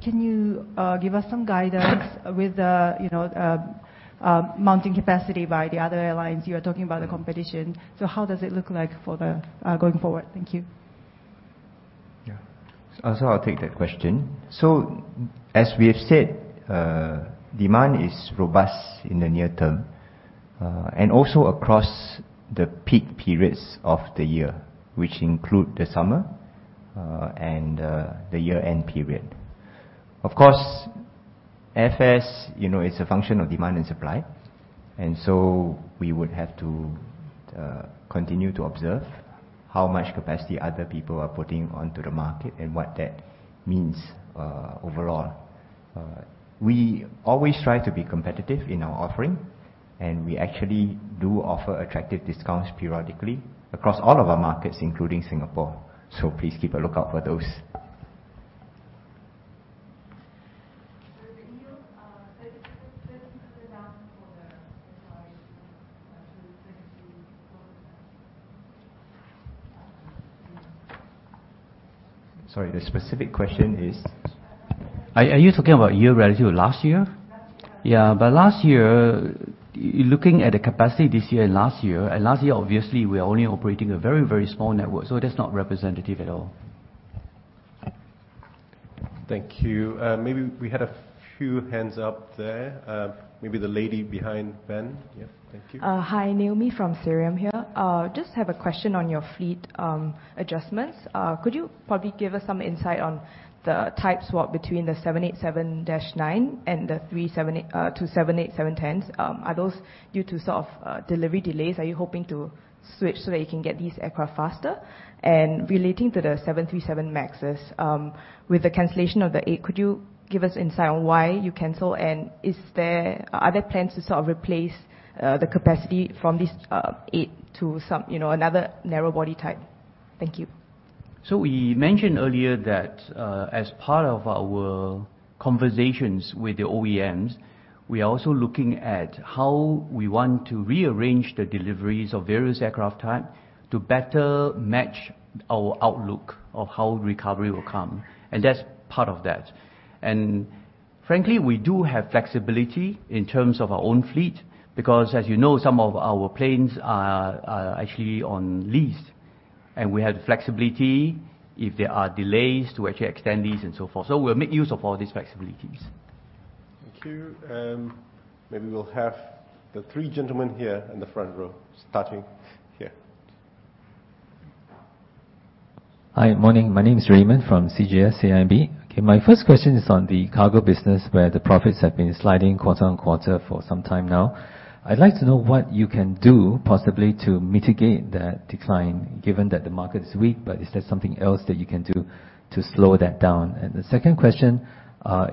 [SPEAKER 10] Can you give us some guidance with the, you know, mounting capacity by the other airlines? You are talking about the competition. How does it look like for the going forward? Thank you.
[SPEAKER 8] Yeah. I'll take that question. As we have said, demand is robust in the near term, and also across the peak periods of the year, which include the summer, and the year-end period. Of course, airfares, you know, is a function of demand and supply, we would have to continue to observe how much capacity other people are putting onto the market and what that means overall. We always try to be competitive in our offering, and we actually do offer attractive discounts periodically across all of our markets, including Singapore. Please keep a lookout for those.
[SPEAKER 10] Sir, the yield, 30% down quarter.
[SPEAKER 8] Sorry, the specific question is? Are you talking about year relative to last year?
[SPEAKER 10] Last year.
[SPEAKER 8] Yeah. Last year, looking at the capacity this year and last year, obviously, we are only operating a very, very small network, so that's not representative at all.
[SPEAKER 1] Thank you. Maybe we had a few hands up there. Maybe the lady behind Ben. Yes. Thank you.
[SPEAKER 11] Hi. Naomi from Cirium here. Just have a question on your fleet adjustments. Could you probably give us some insight on the type swap between the 787-9 and the 37, two 787-10s? Are those due to sort of delivery delays? Are you hoping to switch so that you can get these aircraft faster? Relating to the 737 MAXes, with the cancellation of the 8, could you give us insight on why you cancel, and are there plans to sort of replace the capacity from this, 8 to some, you know, another narrow body type? Thank you.
[SPEAKER 8] We mentioned earlier that, as part of our conversations with the OEMs, we are also looking at how we want to rearrange the deliveries of various aircraft type to better match our outlook of how recovery will come, and that's part of that. Frankly, we do have flexibility in terms of our own fleet, because as you know, some of our planes are actually on lease, and we have the flexibility if there are delays to actually extend these and so forth. We'll make use of all these flexibilities.
[SPEAKER 1] Thank you. Maybe we'll have the 3 gentlemen here in the front row, starting here.
[SPEAKER 12] Hi. Morning. My name is Raymond from CGS-CIMB, CIMB. Okay. My first question is on the cargo business, where the profits have been sliding quarter-on-quarter for some time now. I'd like to know what you can do possibly to mitigate that decline, given that the market is weak, but is there something else that you can do to slow that down? The second question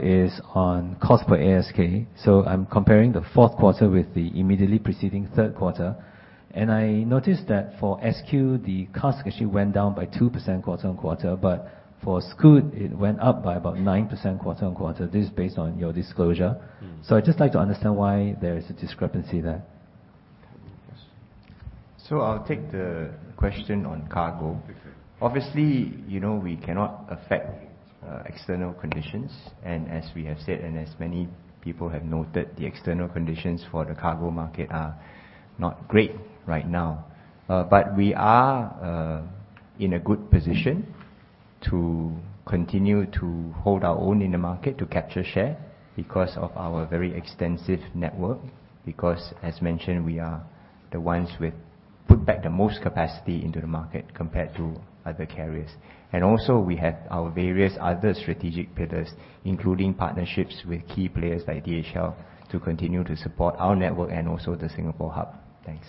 [SPEAKER 12] is on cost per ASK. I'm comparing the fourth quarter with the immediately preceding third quarter. I noticed that for SQ, the cost actually went down by 2% quarter-on-quarter, but for Scoot, it went up by about 9% quarter-on-quarter. This is based on your disclosure.
[SPEAKER 8] Mm-hmm.
[SPEAKER 12] I'd just like to understand why there is a discrepancy there.
[SPEAKER 8] I'll take the question on cargo.
[SPEAKER 1] Okay.
[SPEAKER 8] Obviously, you know, we cannot affect external conditions. As we have said, and as many people have noted, the external conditions for the cargo market are not great right now. We are in a good position to continue to hold our own in the market to capture share because of our very extensive network, because as mentioned, we are the ones with put back the most capacity into the market compared to other carriers. Also, we have our various other strategic pillars, including partnerships with key players like DHL to continue to support our network and also the Singapore hub. Thanks.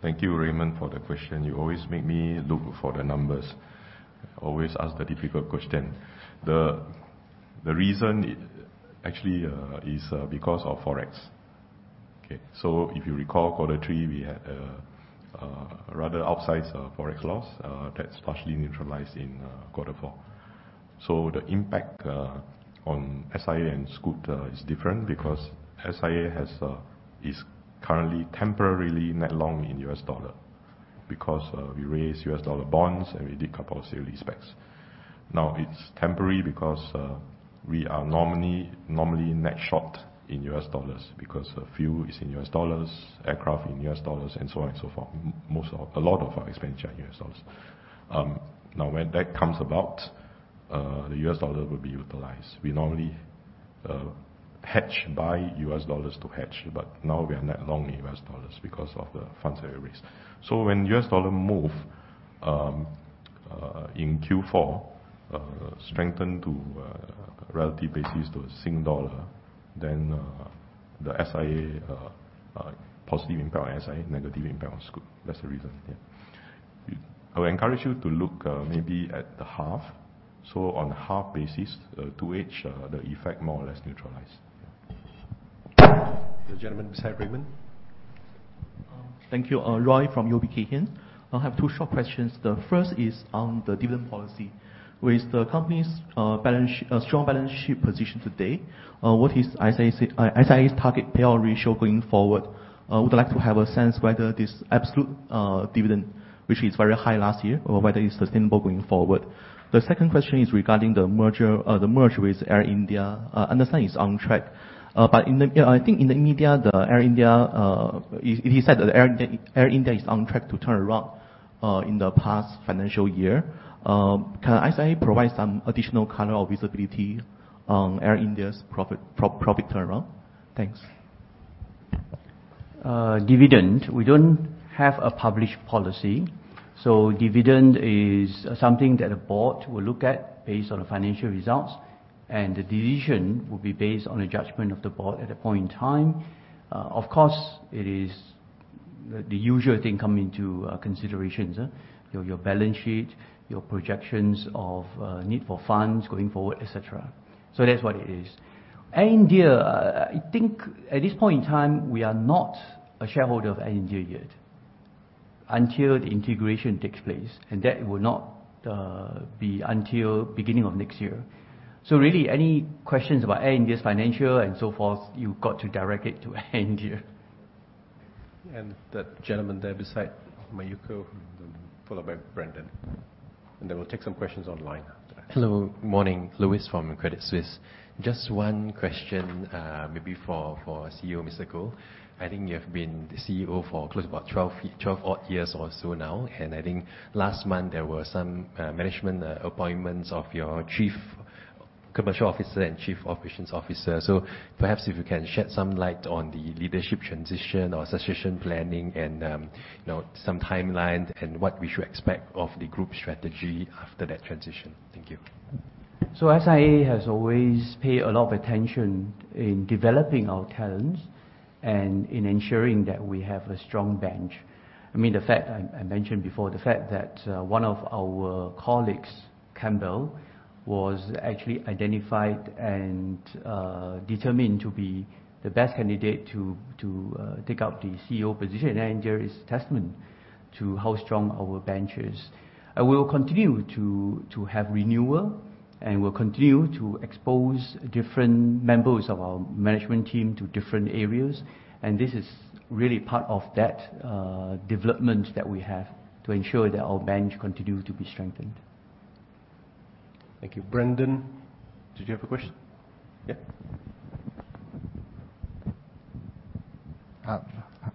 [SPEAKER 9] Thank you, Raymond, for the question. You always make me look for the numbers. Always ask the difficult question. The reason actually is because of Forex. Okay? If you recall quarter three, we had a rather outsized Forex loss that's partially neutralized in quarter four.
[SPEAKER 2] The impact on SIA and Scoot is different because SIA is currently temporarily net long in US dollar because we raised US dollar bonds and we did 2 sale and leasebacks. It's temporary because we are normally net short in US dollars because fuel is in US dollars, aircraft in US dollars, and so on and so forth. A lot of our expenditure are in US dollars. When that comes about, the US dollar will be utilized. We normally hedge by US dollars to hedge, but now we are net long in US dollars because of the funds that we raised. When US dollar move in Q4, strengthen to relative basis to Sing Dollar, the SIA positive impact on SIA, negative impact on Scoot. That's the reason. Yeah. I would encourage you to look, maybe at the half. On half basis, to each, the effect more or less neutralize. Yeah.
[SPEAKER 13] The gentleman beside Brendan.
[SPEAKER 14] Thank you. Roy from UOB Kay Hian. I have two short questions. The first is on the dividend policy. With the company's strong balance sheet position today, what is SIA's target payout ratio going forward? Would like to have a sense whether this absolute dividend, which is very high last year, or whether it's sustainable going forward. The second question is regarding the merger, the merge with Air India. Understand it's on track. In the, you know, I think in the media, the Air India, it is said that Air India is on track to turn around in the past financial year. Can SIA provide some additional color or visibility on Air India's profit turnaround? Thanks.
[SPEAKER 3] Dividend, we don't have a published policy. Dividend is something that the board will look at based on the financial results, and the decision will be based on the judgment of the board at that point in time. Of course, it is the usual thing come into considerations, your balance sheet, your projections of need for funds going forward, et cetera. That's what it is. Air India, I think at this point in time, we are not a shareholder of Air India yet until the integration takes place, and that will not be until beginning of next year. Really any questions about Air India's financial and so forth, you've got to direct it to Air India.
[SPEAKER 13] That gentleman there beside Mayuko, followed by Brendan. Then we'll take some questions online after that.
[SPEAKER 15] Hello. Morning. Louis from Credit Suisse. Just one question, maybe for CEO Mr. Goh. I think you have been the CEO for close about 12 odd years or so now. I think last month there were some management appointments of your chief commercial officer and chief operations officer. Perhaps if you can shed some light on the leadership transition or succession planning and, you know, some timeline and what we should expect of the group strategy after that transition. Thank you.
[SPEAKER 3] SIA has always paid a lot of attention in developing our talents and in ensuring that we have a strong bench. I mean, the fact I mentioned before, the fact that one of our colleagues, Campbell, was actually identified and determined to be the best candidate to take up the CEO position at Air India is a testament to how strong our bench is. We will continue to have renewal, and we'll continue to expose different members of our management team to different areas. This is really part of that development that we have to ensure that our bench continue to be strengthened.
[SPEAKER 13] Thank you. Brendan, did you have a question? Yeah.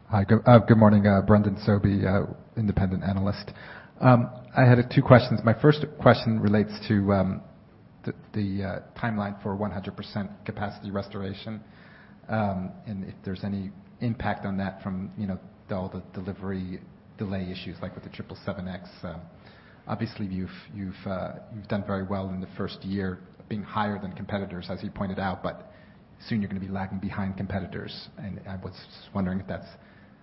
[SPEAKER 16] Hi. Good morning. Brendan Sobie, Independent Analyst. I had two questions. My first question relates to the timeline for 100% capacity restoration. If there's any impact on that from, you know, the all delivery delay issues like with the 777X. Obviously you've done very well in the first year, being higher than competitors, as you pointed out. Soon you're gonna be lagging behind competitors. I was just wondering if that's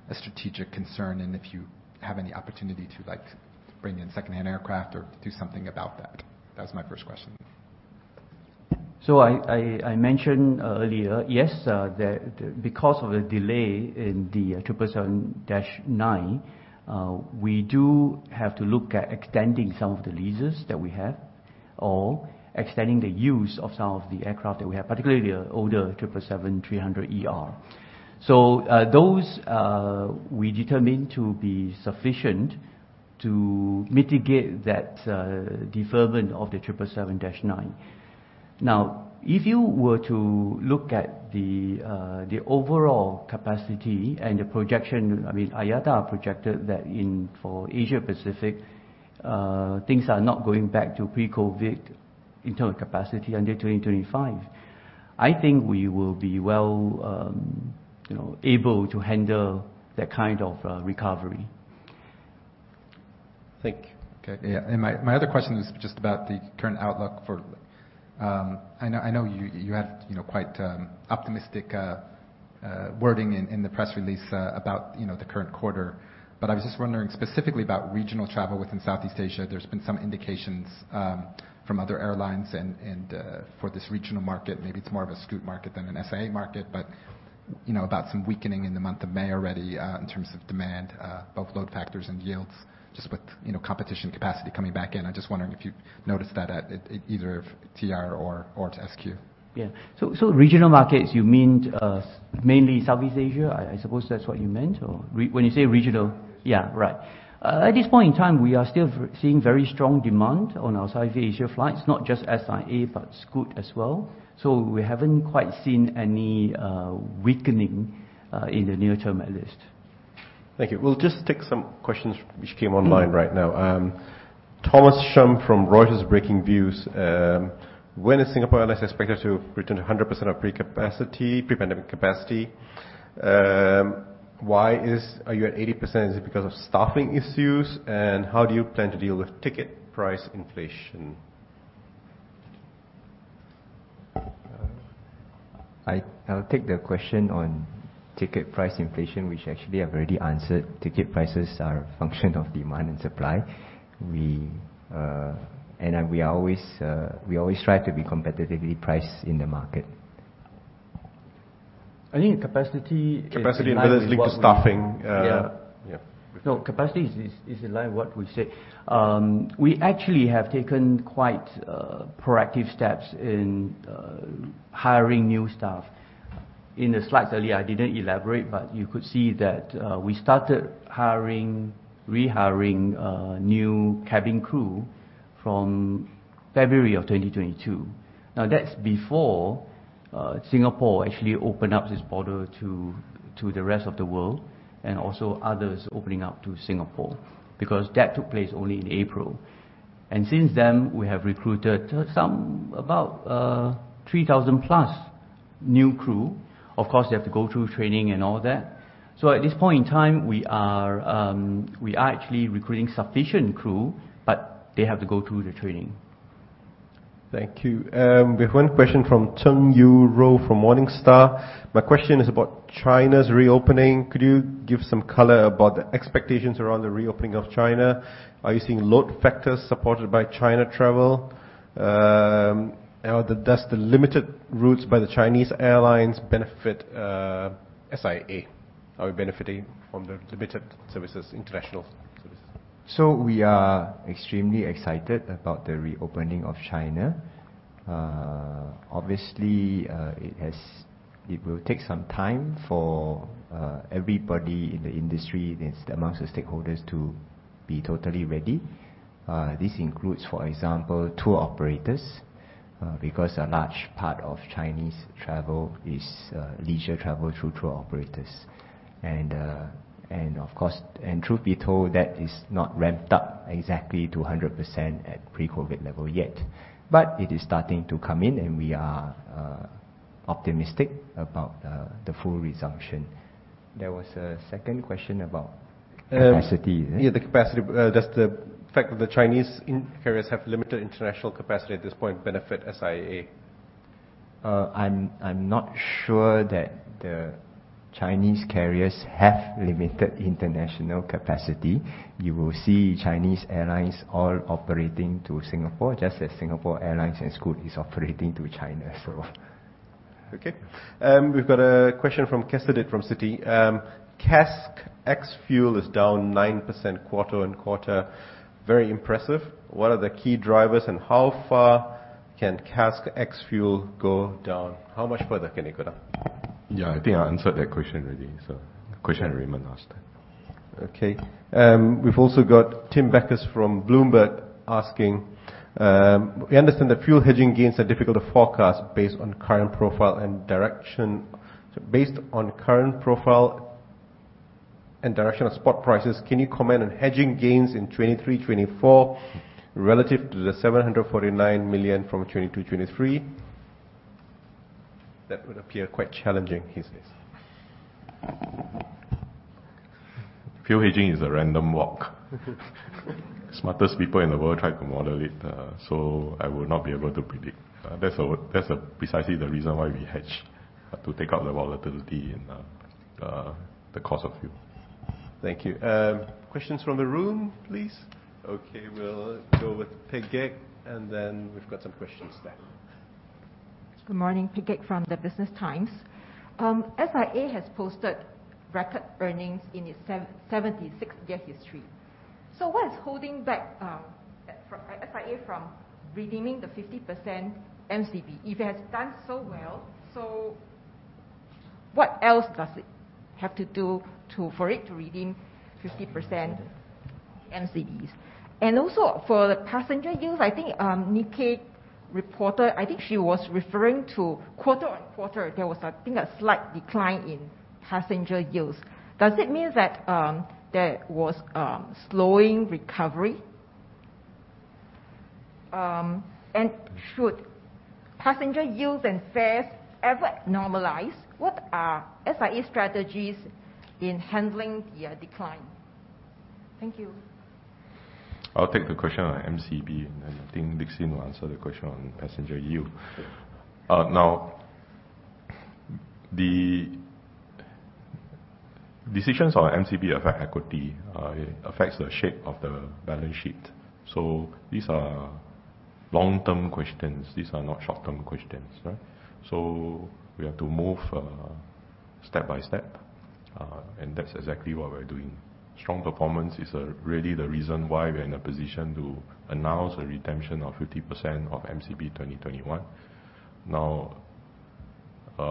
[SPEAKER 16] a strategic concern, and if you have any opportunity to, like, bring in secondhand aircraft or do something about that. That was my first question.
[SPEAKER 3] I mentioned earlier, yes, because of the delay in the 777-9, we do have to look at extending some of the leases that we have or extending the use of some of the aircraft that we have, particularly the older 777-300ER. Those we determine to be sufficient to mitigate that deferment of the 777-9. If you were to look at the overall capacity and the projection, I mean, IATA projected that for Asia Pacific, things are not going back to pre-COVID in terms of capacity until 2025. I think we will be well, you know, able to handle that kind of recovery.
[SPEAKER 16] Thank you. Okay. Yeah. My other question is just about the current outlook for. I know you had, you know, quite optimistic wording in the press release about, you know, the current quarter. I was just wondering specifically about regional travel within Southeast Asia. There's been some indications from other airlines and for this regional market, maybe it's more of a Scoot market than an SIA market. You know, about some weakening in the month of May already in terms of demand, both load factors and yields. Just with, you know, competition capacity coming back in, I'm just wondering if you noticed that at either TR or at SQ?
[SPEAKER 8] Yeah. So regional markets, you mean, mainly Southeast Asia? I suppose that's what you meant or...
[SPEAKER 1] When you say regional.
[SPEAKER 8] Yeah, right. At this point in time, we are still seeing very strong demand on our Southeast Asia flights, not just SIA, but Scoot as well. We haven't quite seen any weakening in the near term at least.
[SPEAKER 1] Thank you. We'll just take some questions which came-.
[SPEAKER 8] Mm-hmm.
[SPEAKER 1] online right now. Thomas Shum from Reuters Breakingviews. When is Singapore Airlines expected to return to 100% of pre-capacity, pre-pandemic capacity? Are you at 80%? Is it because of staffing issues? How do you plan to deal with ticket price inflation?
[SPEAKER 8] I'll take the question on ticket price inflation, which actually I've already answered. Ticket prices are a function of demand and supply. We always try to be competitively priced in the market.
[SPEAKER 1] I think
[SPEAKER 8] Capacity is in line with
[SPEAKER 1] Capacity whether it's linked to staffing.
[SPEAKER 8] Yeah.
[SPEAKER 1] Yeah.
[SPEAKER 8] No, capacity is in line with what we said. We actually have taken quite proactive steps in hiring new staff. In the slides earlier, I didn't elaborate, but you could see that we started hiring, rehiring new cabin crew from February 2022. That's before Singapore actually opened up its border to the rest of the world, and also others opening up to Singapore, because that took place only in April. Since then, we have recruited some, about 3,000 plus new crew. Of course, they have to go through training and all that. At this point in time, we are actually recruiting sufficient crew, but they have to go through the training.
[SPEAKER 1] Thank you. We have one question from Cheng Yu-Rou from Morningstar. My question is about China's reopening. Could you give some color about the expectations around the reopening of China? Are you seeing load factors supported by China travel? Does the limited routes by the Chinese airlines benefit, SIA? Are we benefiting from the limited services, international services?
[SPEAKER 8] We are extremely excited about the reopening of China. Obviously, it will take some time for everybody in the industry and amongst the stakeholders to be totally ready. This includes, for example, tour operators, because a large part of Chinese travel is leisure travel through tour operators. Of course, truth be told, that is not ramped up exactly to 100% at pre-COVID level yet. It is starting to come in and we are optimistic about the full resumption. There was a second question about.
[SPEAKER 1] Um-
[SPEAKER 8] capacity, right?
[SPEAKER 1] Yeah, the capacity. Does the fact that the Chinese carriers have limited international capacity at this point benefit SIA?
[SPEAKER 8] I'm not sure that the Chinese carriers have limited international capacity. You will see Chinese airlines all operating to Singapore, just as Singapore Airlines and Scoot is operating to China, so.
[SPEAKER 17] Okay. We've got a question from Kaseedit from Citi. CASK ex fuel is down 9% quarter on quarter. Very impressive. What are the key drivers, and how far can CASK ex fuel go down? How much further can it go down?
[SPEAKER 2] I think I answered that question already, the question Raymond asked.
[SPEAKER 1] Okay. We've also got Tim Bhasin from Bloomberg asking, we understand that fuel hedging gains are difficult to forecast based on current profile and direction. Based on current profile and direction of spot prices, can you comment on hedging gains in 2023, 2024 relative to the 749 million from 2022, 2023? That would appear quite challenging, he says.
[SPEAKER 2] Fuel hedging is a random walk. Smartest people in the world try to model it. I will not be able to predict. That's precisely the reason why we hedge to take out the volatility in the cost of fuel.
[SPEAKER 1] Thank you. Questions from the room, please. Okay, we'll go with Peck Gek, and then we've got some questions there.
[SPEAKER 18] Good morning. Peck Gek from The Business Times. SIA has posted record earnings in its 76-year history. What is holding back, SIA from redeeming the 50% MCB? If it has done so well, so what else does it have to do for it to redeem 50% MCBs? For the passenger yields, I think, Nikkei reporter, I think she was referring to quarter-on-quarter, there was I think a slight decline in passenger yields. Does it mean that, there was, slowing recovery? Should passenger yields and fares ever normalize, what are SIA's strategies in handling the decline? Thank you.
[SPEAKER 2] I'll take the question on MCB, and then I think Lik Hsin will answer the question on passenger yield. Now the decisions on MCB affect equity. It affects the shape of the balance sheet. These are long-term questions. These are not short-term questions, right? We have to move step by step, and that's exactly what we're doing. Strong performance is really the reason why we're in a position to announce a redemption of 50% of MCB 2021.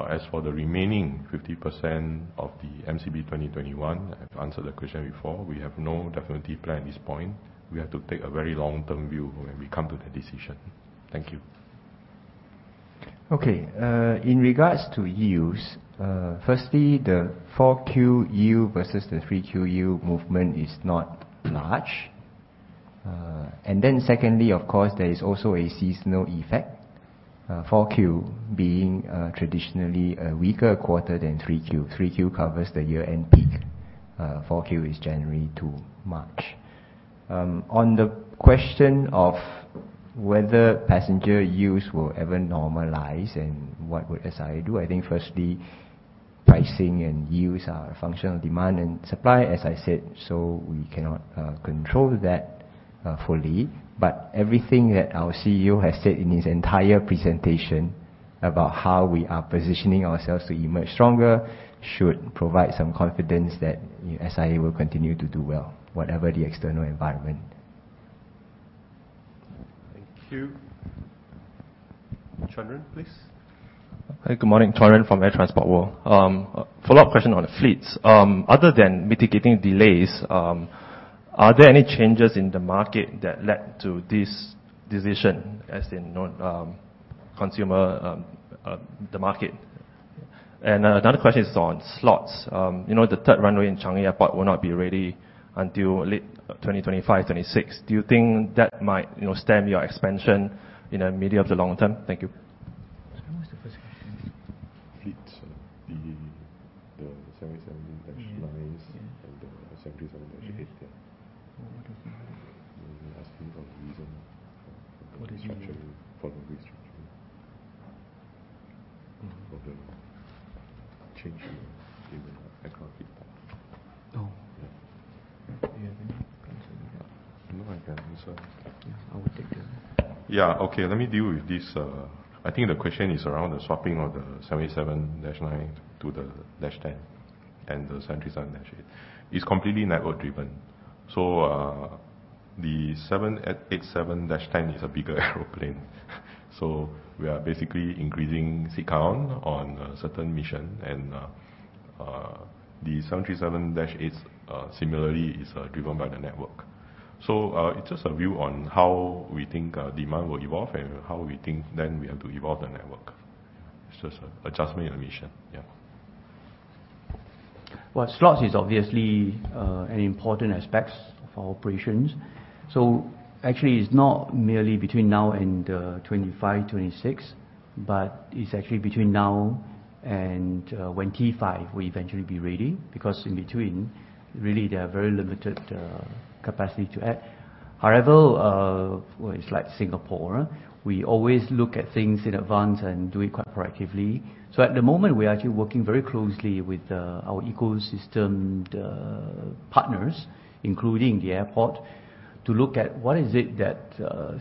[SPEAKER 2] As for the remaining 50% of the MCB 2021, I've answered the question before. We have no definitive plan at this point. We have to take a very long-term view when we come to that decision. Thank you.
[SPEAKER 8] Okay. In regards to yields, firstly, the four Q yield versus the three Q yield movement is not large. Secondly, of course, there is also a seasonal effect, four Q being traditionally a weaker quarter than three Q. Three Q covers the year-end peak. Four Q is January to March. On the question of whether passenger yields will ever normalize and what would SIA do, I think firstly, pricing and yields are a function of demand and supply, as I said, so we cannot control that fully. Everything that our CEO has said in his entire presentation about how we are positioning ourselves to emerge stronger should provide some confidence that SIA will continue to do well, whatever the external environment.
[SPEAKER 2] Thank you. Chen Chuanren, please.
[SPEAKER 19] Hi, good morning. Chen Chuanren from Air Transport World. Follow-up question on fleets. Other than mitigating delays, are there any changes in the market that led to this decision, as in, consumer, the market? Another question is on slots. You know, the third runway in Changi Airport will not be ready until late 2025-2026. Do you think that might, you know, stem your expansion in the medium to long term? Thank you.
[SPEAKER 8] Sorry, what was the first question?
[SPEAKER 2] Fleets. The 787-9s.
[SPEAKER 8] Yeah.
[SPEAKER 2] The 737-8s, yeah.
[SPEAKER 8] Okay.
[SPEAKER 2] He asking about the reason.
[SPEAKER 8] For the yield.
[SPEAKER 2] the structuring, for the restructuring.
[SPEAKER 8] Mm-hmm.
[SPEAKER 2] For the change in the aircraft type.
[SPEAKER 8] Oh.
[SPEAKER 2] Yeah.
[SPEAKER 8] Do you have any comments on that?
[SPEAKER 2] No, I can. It's all right.
[SPEAKER 8] Yeah. I will take that.
[SPEAKER 2] Yeah. Okay. Let me deal with this. I think the question is around the swapPing of the 787-9 to the dash 10 and the 737-8. It's completely network driven. The 787-10 is a bigger airplane. We are basically increasing seat count on a certain mission. The 737-8s, similarly is driven by the network. It's just a view on how we think demand will evolve and how we think then we have to evolve the network. It's just an adjustment in the mission. Yeah.
[SPEAKER 8] Well, slots is obviously an important aspects of our operations. Actually it's not merely between now and 2025-2026, but it's actually between now and when T5 will eventually be ready, because in between, really, there are very limited capacity to add. However, it's like Singapore, we always look at things in advance and do it quite proactively. At the moment, we are actually working very closely with our ecosystem partners, including the airport, to look at what is it that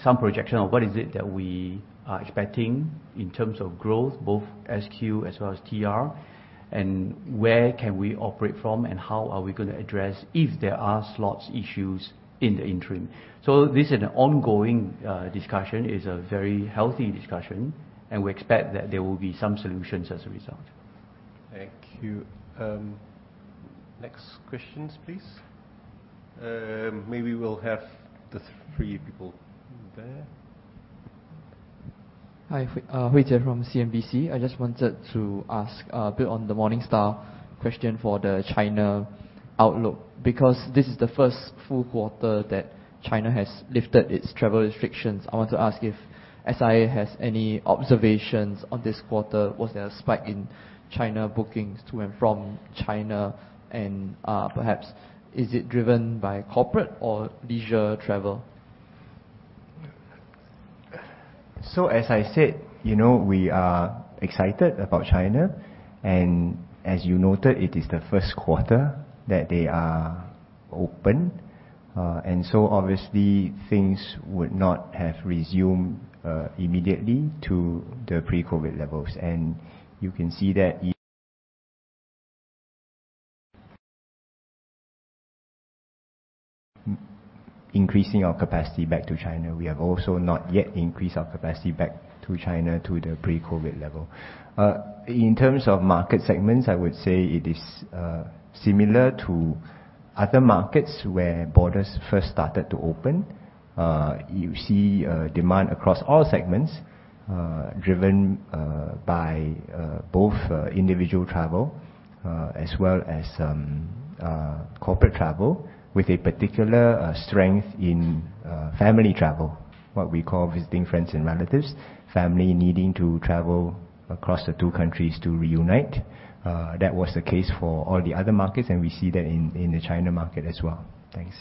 [SPEAKER 8] some projection of what is it that we are expecting in terms of growth, both SQ as well as TR, and where can we operate from and how are we gonna address if there are slots issues in the interim. This is an ongoing discussion. It's a very healthy discussion, and we expect that there will be some solutions as a result.
[SPEAKER 2] Thank you. Next questions, please. Maybe we'll have the 3 people there.
[SPEAKER 20] Hi. Hui Jie from CNBC. I just wanted to ask a bit on the Morningstar question for the China outlook, because this is the first full quarter that China has lifted its travel restrictions. I want to ask if SIA has any observations on this quarter. Was there a spike in China bookings to and from China? Perhaps is it driven by corporate or leisure travel?
[SPEAKER 8] As I said, you know, we are excited about China, and as you noted, it is the first quarter that they are open. Obviously things would not have resumed immediately to the pre-COVID levels. You can see that increasing our capacity back to China, we have also not yet increased our capacity back to China to the pre-COVID level. In terms of market segments, I would say it is similar to other markets where borders first started to open. You see demand across all segments, driven by both individual travel, as well as corporate travel with a particular strength in family travel, what we call visiting friends and relatives, family needing to travel across the two countries to reunite. That was the case for all the other markets, and we see that in the China market as well. Thanks.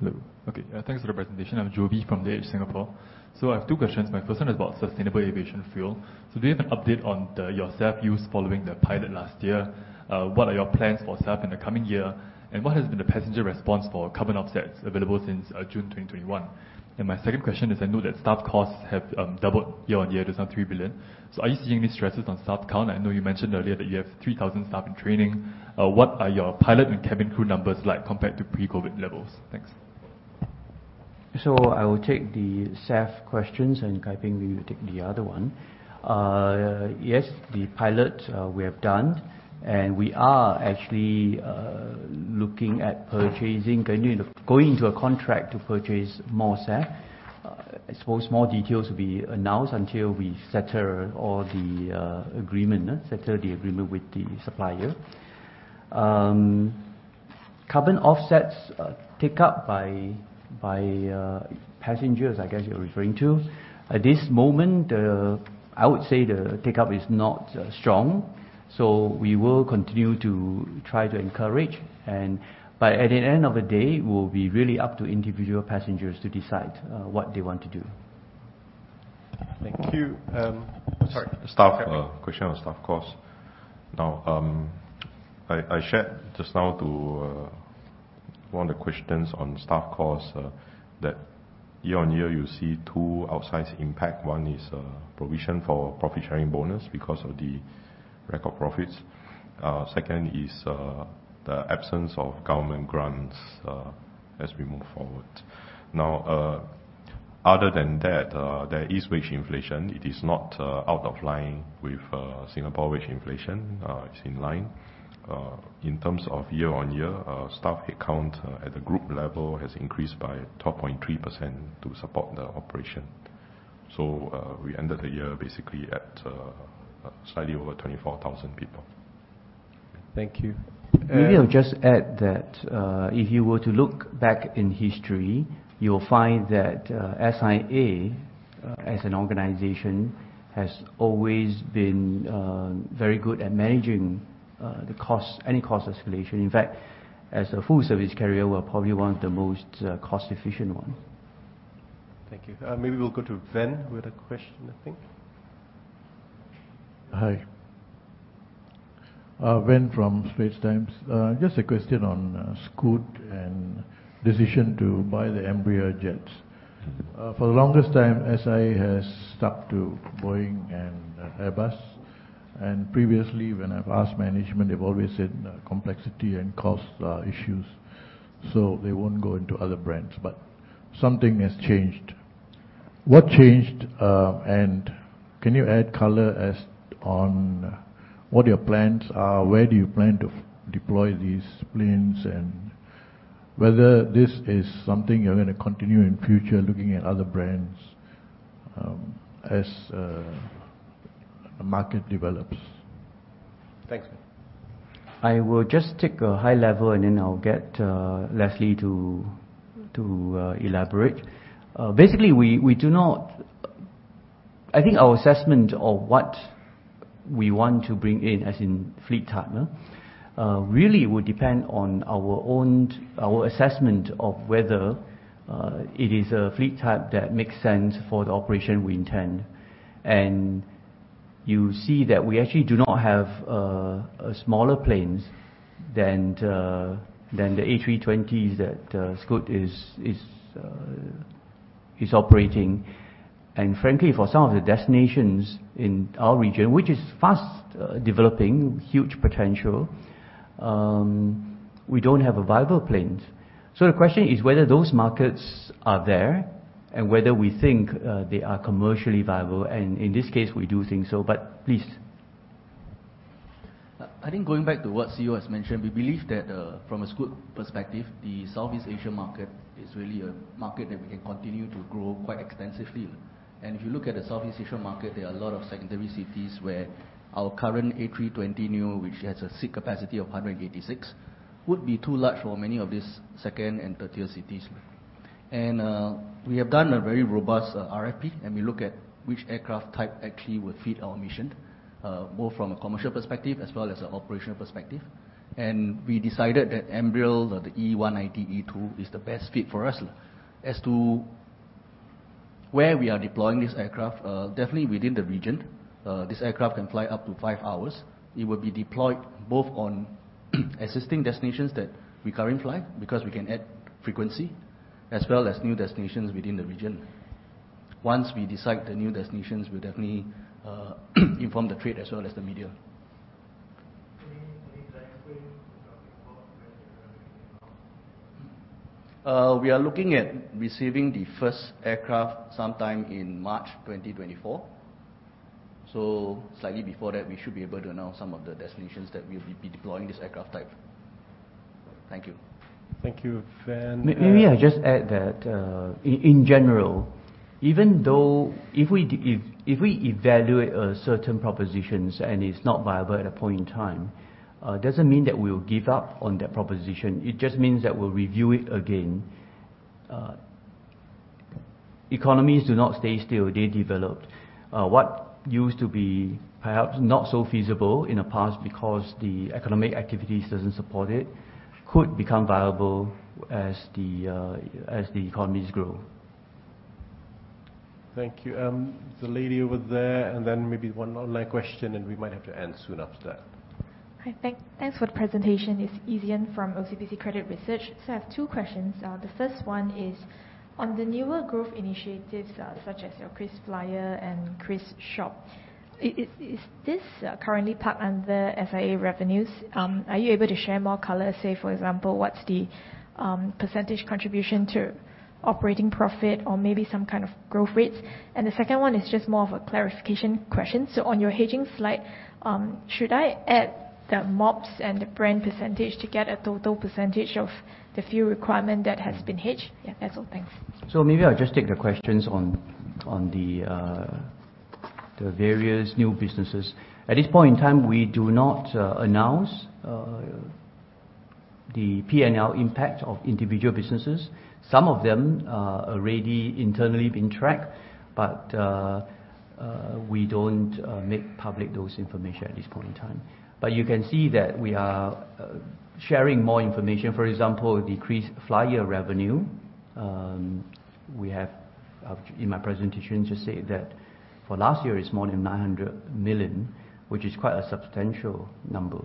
[SPEAKER 21] Hello. Okay, thanks for the presentation. I'm Jovi from DH Singapore. I have 2 questions. My first one is about sustainable aviation fuel. Do you have an update on your SAF use following the pilot last year? What are your plans for SAF in the coming year? What has been the passenger response for carbon offsets available since June 2021? My second question is, I know that staff costs have doubled year-on-year to some 3 billion. Are you seeing any stresses on staff count? I know you mentioned earlier that you have 3,000 staff in training. What are your pilot and cabin crew numbers like compared to pre-COVID levels? Thanks.
[SPEAKER 3] I will take the SAF questions and Kai Ping will take the other one. Yes, the pilot, we have done, and we are actually looking at purchasing, going into a contract to purchase more SAF. I suppose more details will be announced until we settle all the agreement. Settle the agreement with the supplier. Carbon offsets, take up by passengers, I guess you're referring to. At this moment, I would say the take-up is not strong, so we will continue to try to encourage. At the end of the day, it will be really up to individual passengers to decide what they want to do.
[SPEAKER 21] Thank you. Sorry.
[SPEAKER 2] Staff. Question on staff costs. Now, I shared just now to one of the questions on staff costs that year on year you see two outsized impact. One is provision for profit sharing bonus because of the record profits. Second is the absence of government grants as we move forward. Now, other than that, there is wage inflation. It is not out of line with Singapore wage inflation. It's in line. In terms of year on year, staff headcount at the group level has increased by 12.3% to support the operation. We ended the year basically at slightly over 24,000 people.
[SPEAKER 21] Thank you.
[SPEAKER 3] Maybe I'll just add that, if you were to look back in history, you will find that SIA, as an organization has always been very good at managing the cost, any cost escalation. In fact, as a full service carrier, we're probably one of the most cost-efficient one.
[SPEAKER 21] Thank you. Maybe we'll go to Van with a question, I think.
[SPEAKER 22] Hi. Van from The Straits Times. Just a question on Scoot and decision to buy the Embraer jets. For the longest time, SIA has stuck to Boeing and Airbus. Previously when I've asked management, they've always said, complexity and cost issues, so they won't go into other brands. Something has changed. What changed? Can you add color as on what your plans are? Where do you plan to deploy these planes? Whether this is something you're gonna continue in future looking at other brands, as market develops.
[SPEAKER 21] Thanks.
[SPEAKER 3] I will just take a high level and then I'll get Leslie to elaborate. Basically, we do not. I think our assessment of what we want to bring in as in fleet type, really would depend on our own assessment of whether it is a fleet type that makes sense for the operation we intend. You see that we actually do not have a smaller planes than the A320s that Scoot is operating. Frankly, for some of the destinations in our region, which is fast develoPing, huge potential, we don't have a viable plane. The question is whether those markets are there and whether we think they are commercially viable. In this case, we do think so. Please.
[SPEAKER 2] I think going back to what CEO has mentioned, we believe that from a Scoot perspective, the Southeast Asian market is really a market that we can continue to grow quite extensively. If you look at the Southeast Asian market, there are a lot of secondary cities where our current A320neo, which has a seat capacity of 186, would be too large for many of these second and third-tier cities. We have done a very robust RFP, and we look at which aircraft type actually would fit our mission, both from a commercial perspective as well as an operational perspective. We decided that Embraer, the E190-E2 is the best fit for us. As to where we are deploying this aircraft, definitely within the region. This aircraft can fly up to five hours. It will be deployed both on existing destinations that we currently fly, because we can add frequency, as well as new destinations within the region. Once we decide the new destinations, we'll definitely inform the trade as well as the media.
[SPEAKER 21] Any time frame?
[SPEAKER 22] We are looking at receiving the first aircraft sometime in March 2024. Slightly before that, we should be able to announce some of the destinations that we'll be deploying this aircraft type. Thank you.
[SPEAKER 21] Thank you, Van.
[SPEAKER 3] Maybe I just add that, in general, even though if we evaluate certain propositions and it's not viable at a point in time, it doesn't mean that we will give up on that proposition. It just means that we'll review it again. Economies do not stay still, they develop. What used to be perhaps not so feasible in the past because the economic activities doesn't support it could become viable as the economies grow.
[SPEAKER 1] Thank you. The lady over there, and then maybe one online question, and we might have to end soon after that.
[SPEAKER 23] Hi. Thanks for the presentation. It's Ezi N from OCBC Credit Research. I have two questions. The first one is, on the newer growth initiatives, such as your KrisFlyer and KrisShop, is this currently parked under SIA revenues? Are you able to share more color, say, for example, what's the percentage contribution to operating profit or maybe some kind of growth rates? The second one is just more of a clarification question. On your hedging slide, should I add the MOPS and the Brent percentage to get a total percentage of the fuel requirement that has been hedged? That's all. Thanks.
[SPEAKER 3] Maybe I'll just take the questions on the various new businesses. At this point in time, we do not announce the P&L impact of individual businesses. Some of them are already internally being tracked, but we don't make public those information at this point in time. You can see that we are sharing more information. For example, decreased flyer revenue, we have in my presentation just say that for last year it's more than 900 million, which is quite a substantial number.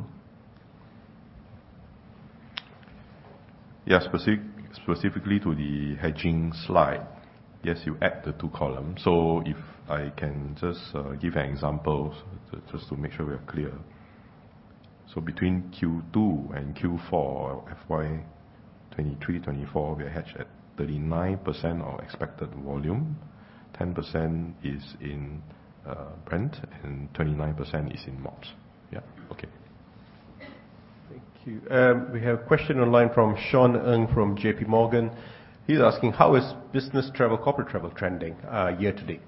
[SPEAKER 2] Yeah. Specifically to the hedging slide. Yes, you add the two columns. If I can just give an example just to make sure we are clear. Between Q2 and Q4 or FY 2023-2024, we hedge at 39% of expected volume. 10% is in Brent, and 29% is in MOPS. Yeah. Okay.
[SPEAKER 1] Thank you. We have a question online from Sean Ng from JP Morgan. He's asking, how is business travel, corporate travel trending, year to date?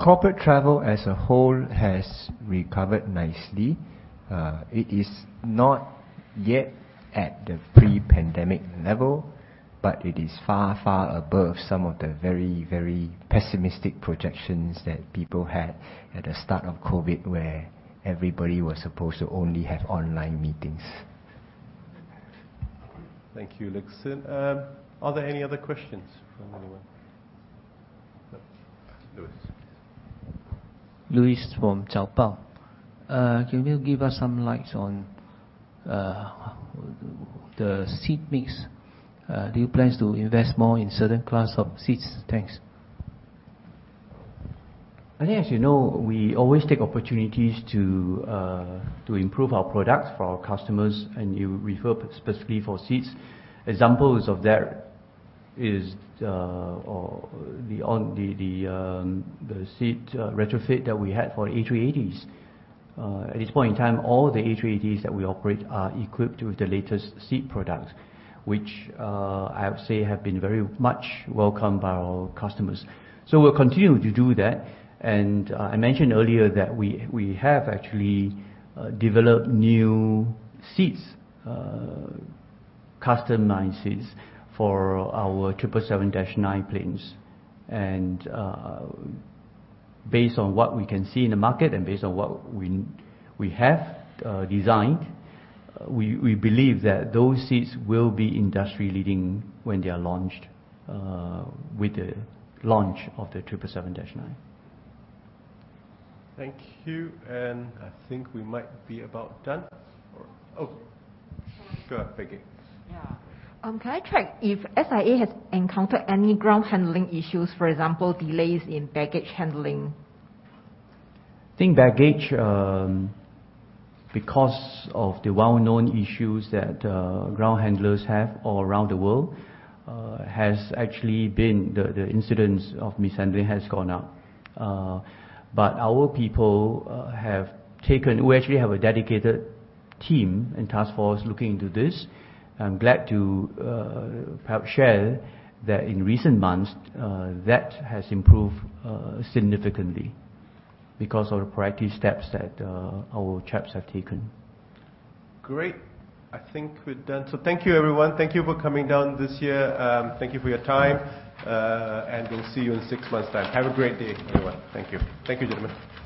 [SPEAKER 3] Corporate travel as a whole has recovered nicely. It is not yet at the pre-pandemic level, but it is far, far above some of the very, very pessimistic projections that people had at the start of COVID, where everybody was supposed to only have online meetings.
[SPEAKER 1] Thank you, Lixin. Are there any other questions from anyone? Lewis.
[SPEAKER 24] Lewis from Zaobao. Can you give us some light on the seat mix? Do you plan to invest more in certain class of seats? Thanks.
[SPEAKER 3] I think, as you know, we always take opportunities to improve our products for our customers, and you refer specifically for seats. Examples of that is the seat retrofit that we had for A380s. At this point in time, all the A380s that we operate are equipped with the latest seat products, which I would say have been very much welcomed by our customers. We'll continue to do that. I mentioned earlier that we have actually developed new seats, customized seats for our 777-9 planes. Based on what we can see in the market and based on what we have designed, we believe that those seats will be industry-leading when they are launched with the launch of the 777-9.
[SPEAKER 1] Thank you, and I think we might be about done. Go ahead, Peggy.
[SPEAKER 25] Can I check if SIA has encountered any ground handling issues, for example, delays in baggage handling?
[SPEAKER 3] I think baggage, because of the well-known issues that ground handlers have all around the world, has actually been the incidence of mishandling has gone up. We actually have a dedicated team and task force looking into this. I'm glad to perhaps share that in recent months, that has improved significantly because of the proactive steps that our chaps have taken.
[SPEAKER 1] Great. I think we're done. Thank you, everyone. Thank you for coming down this year. Thank you for your time. We'll see you in six months' time. Have a great day, everyone. Thank you. Thank you, gentlemen.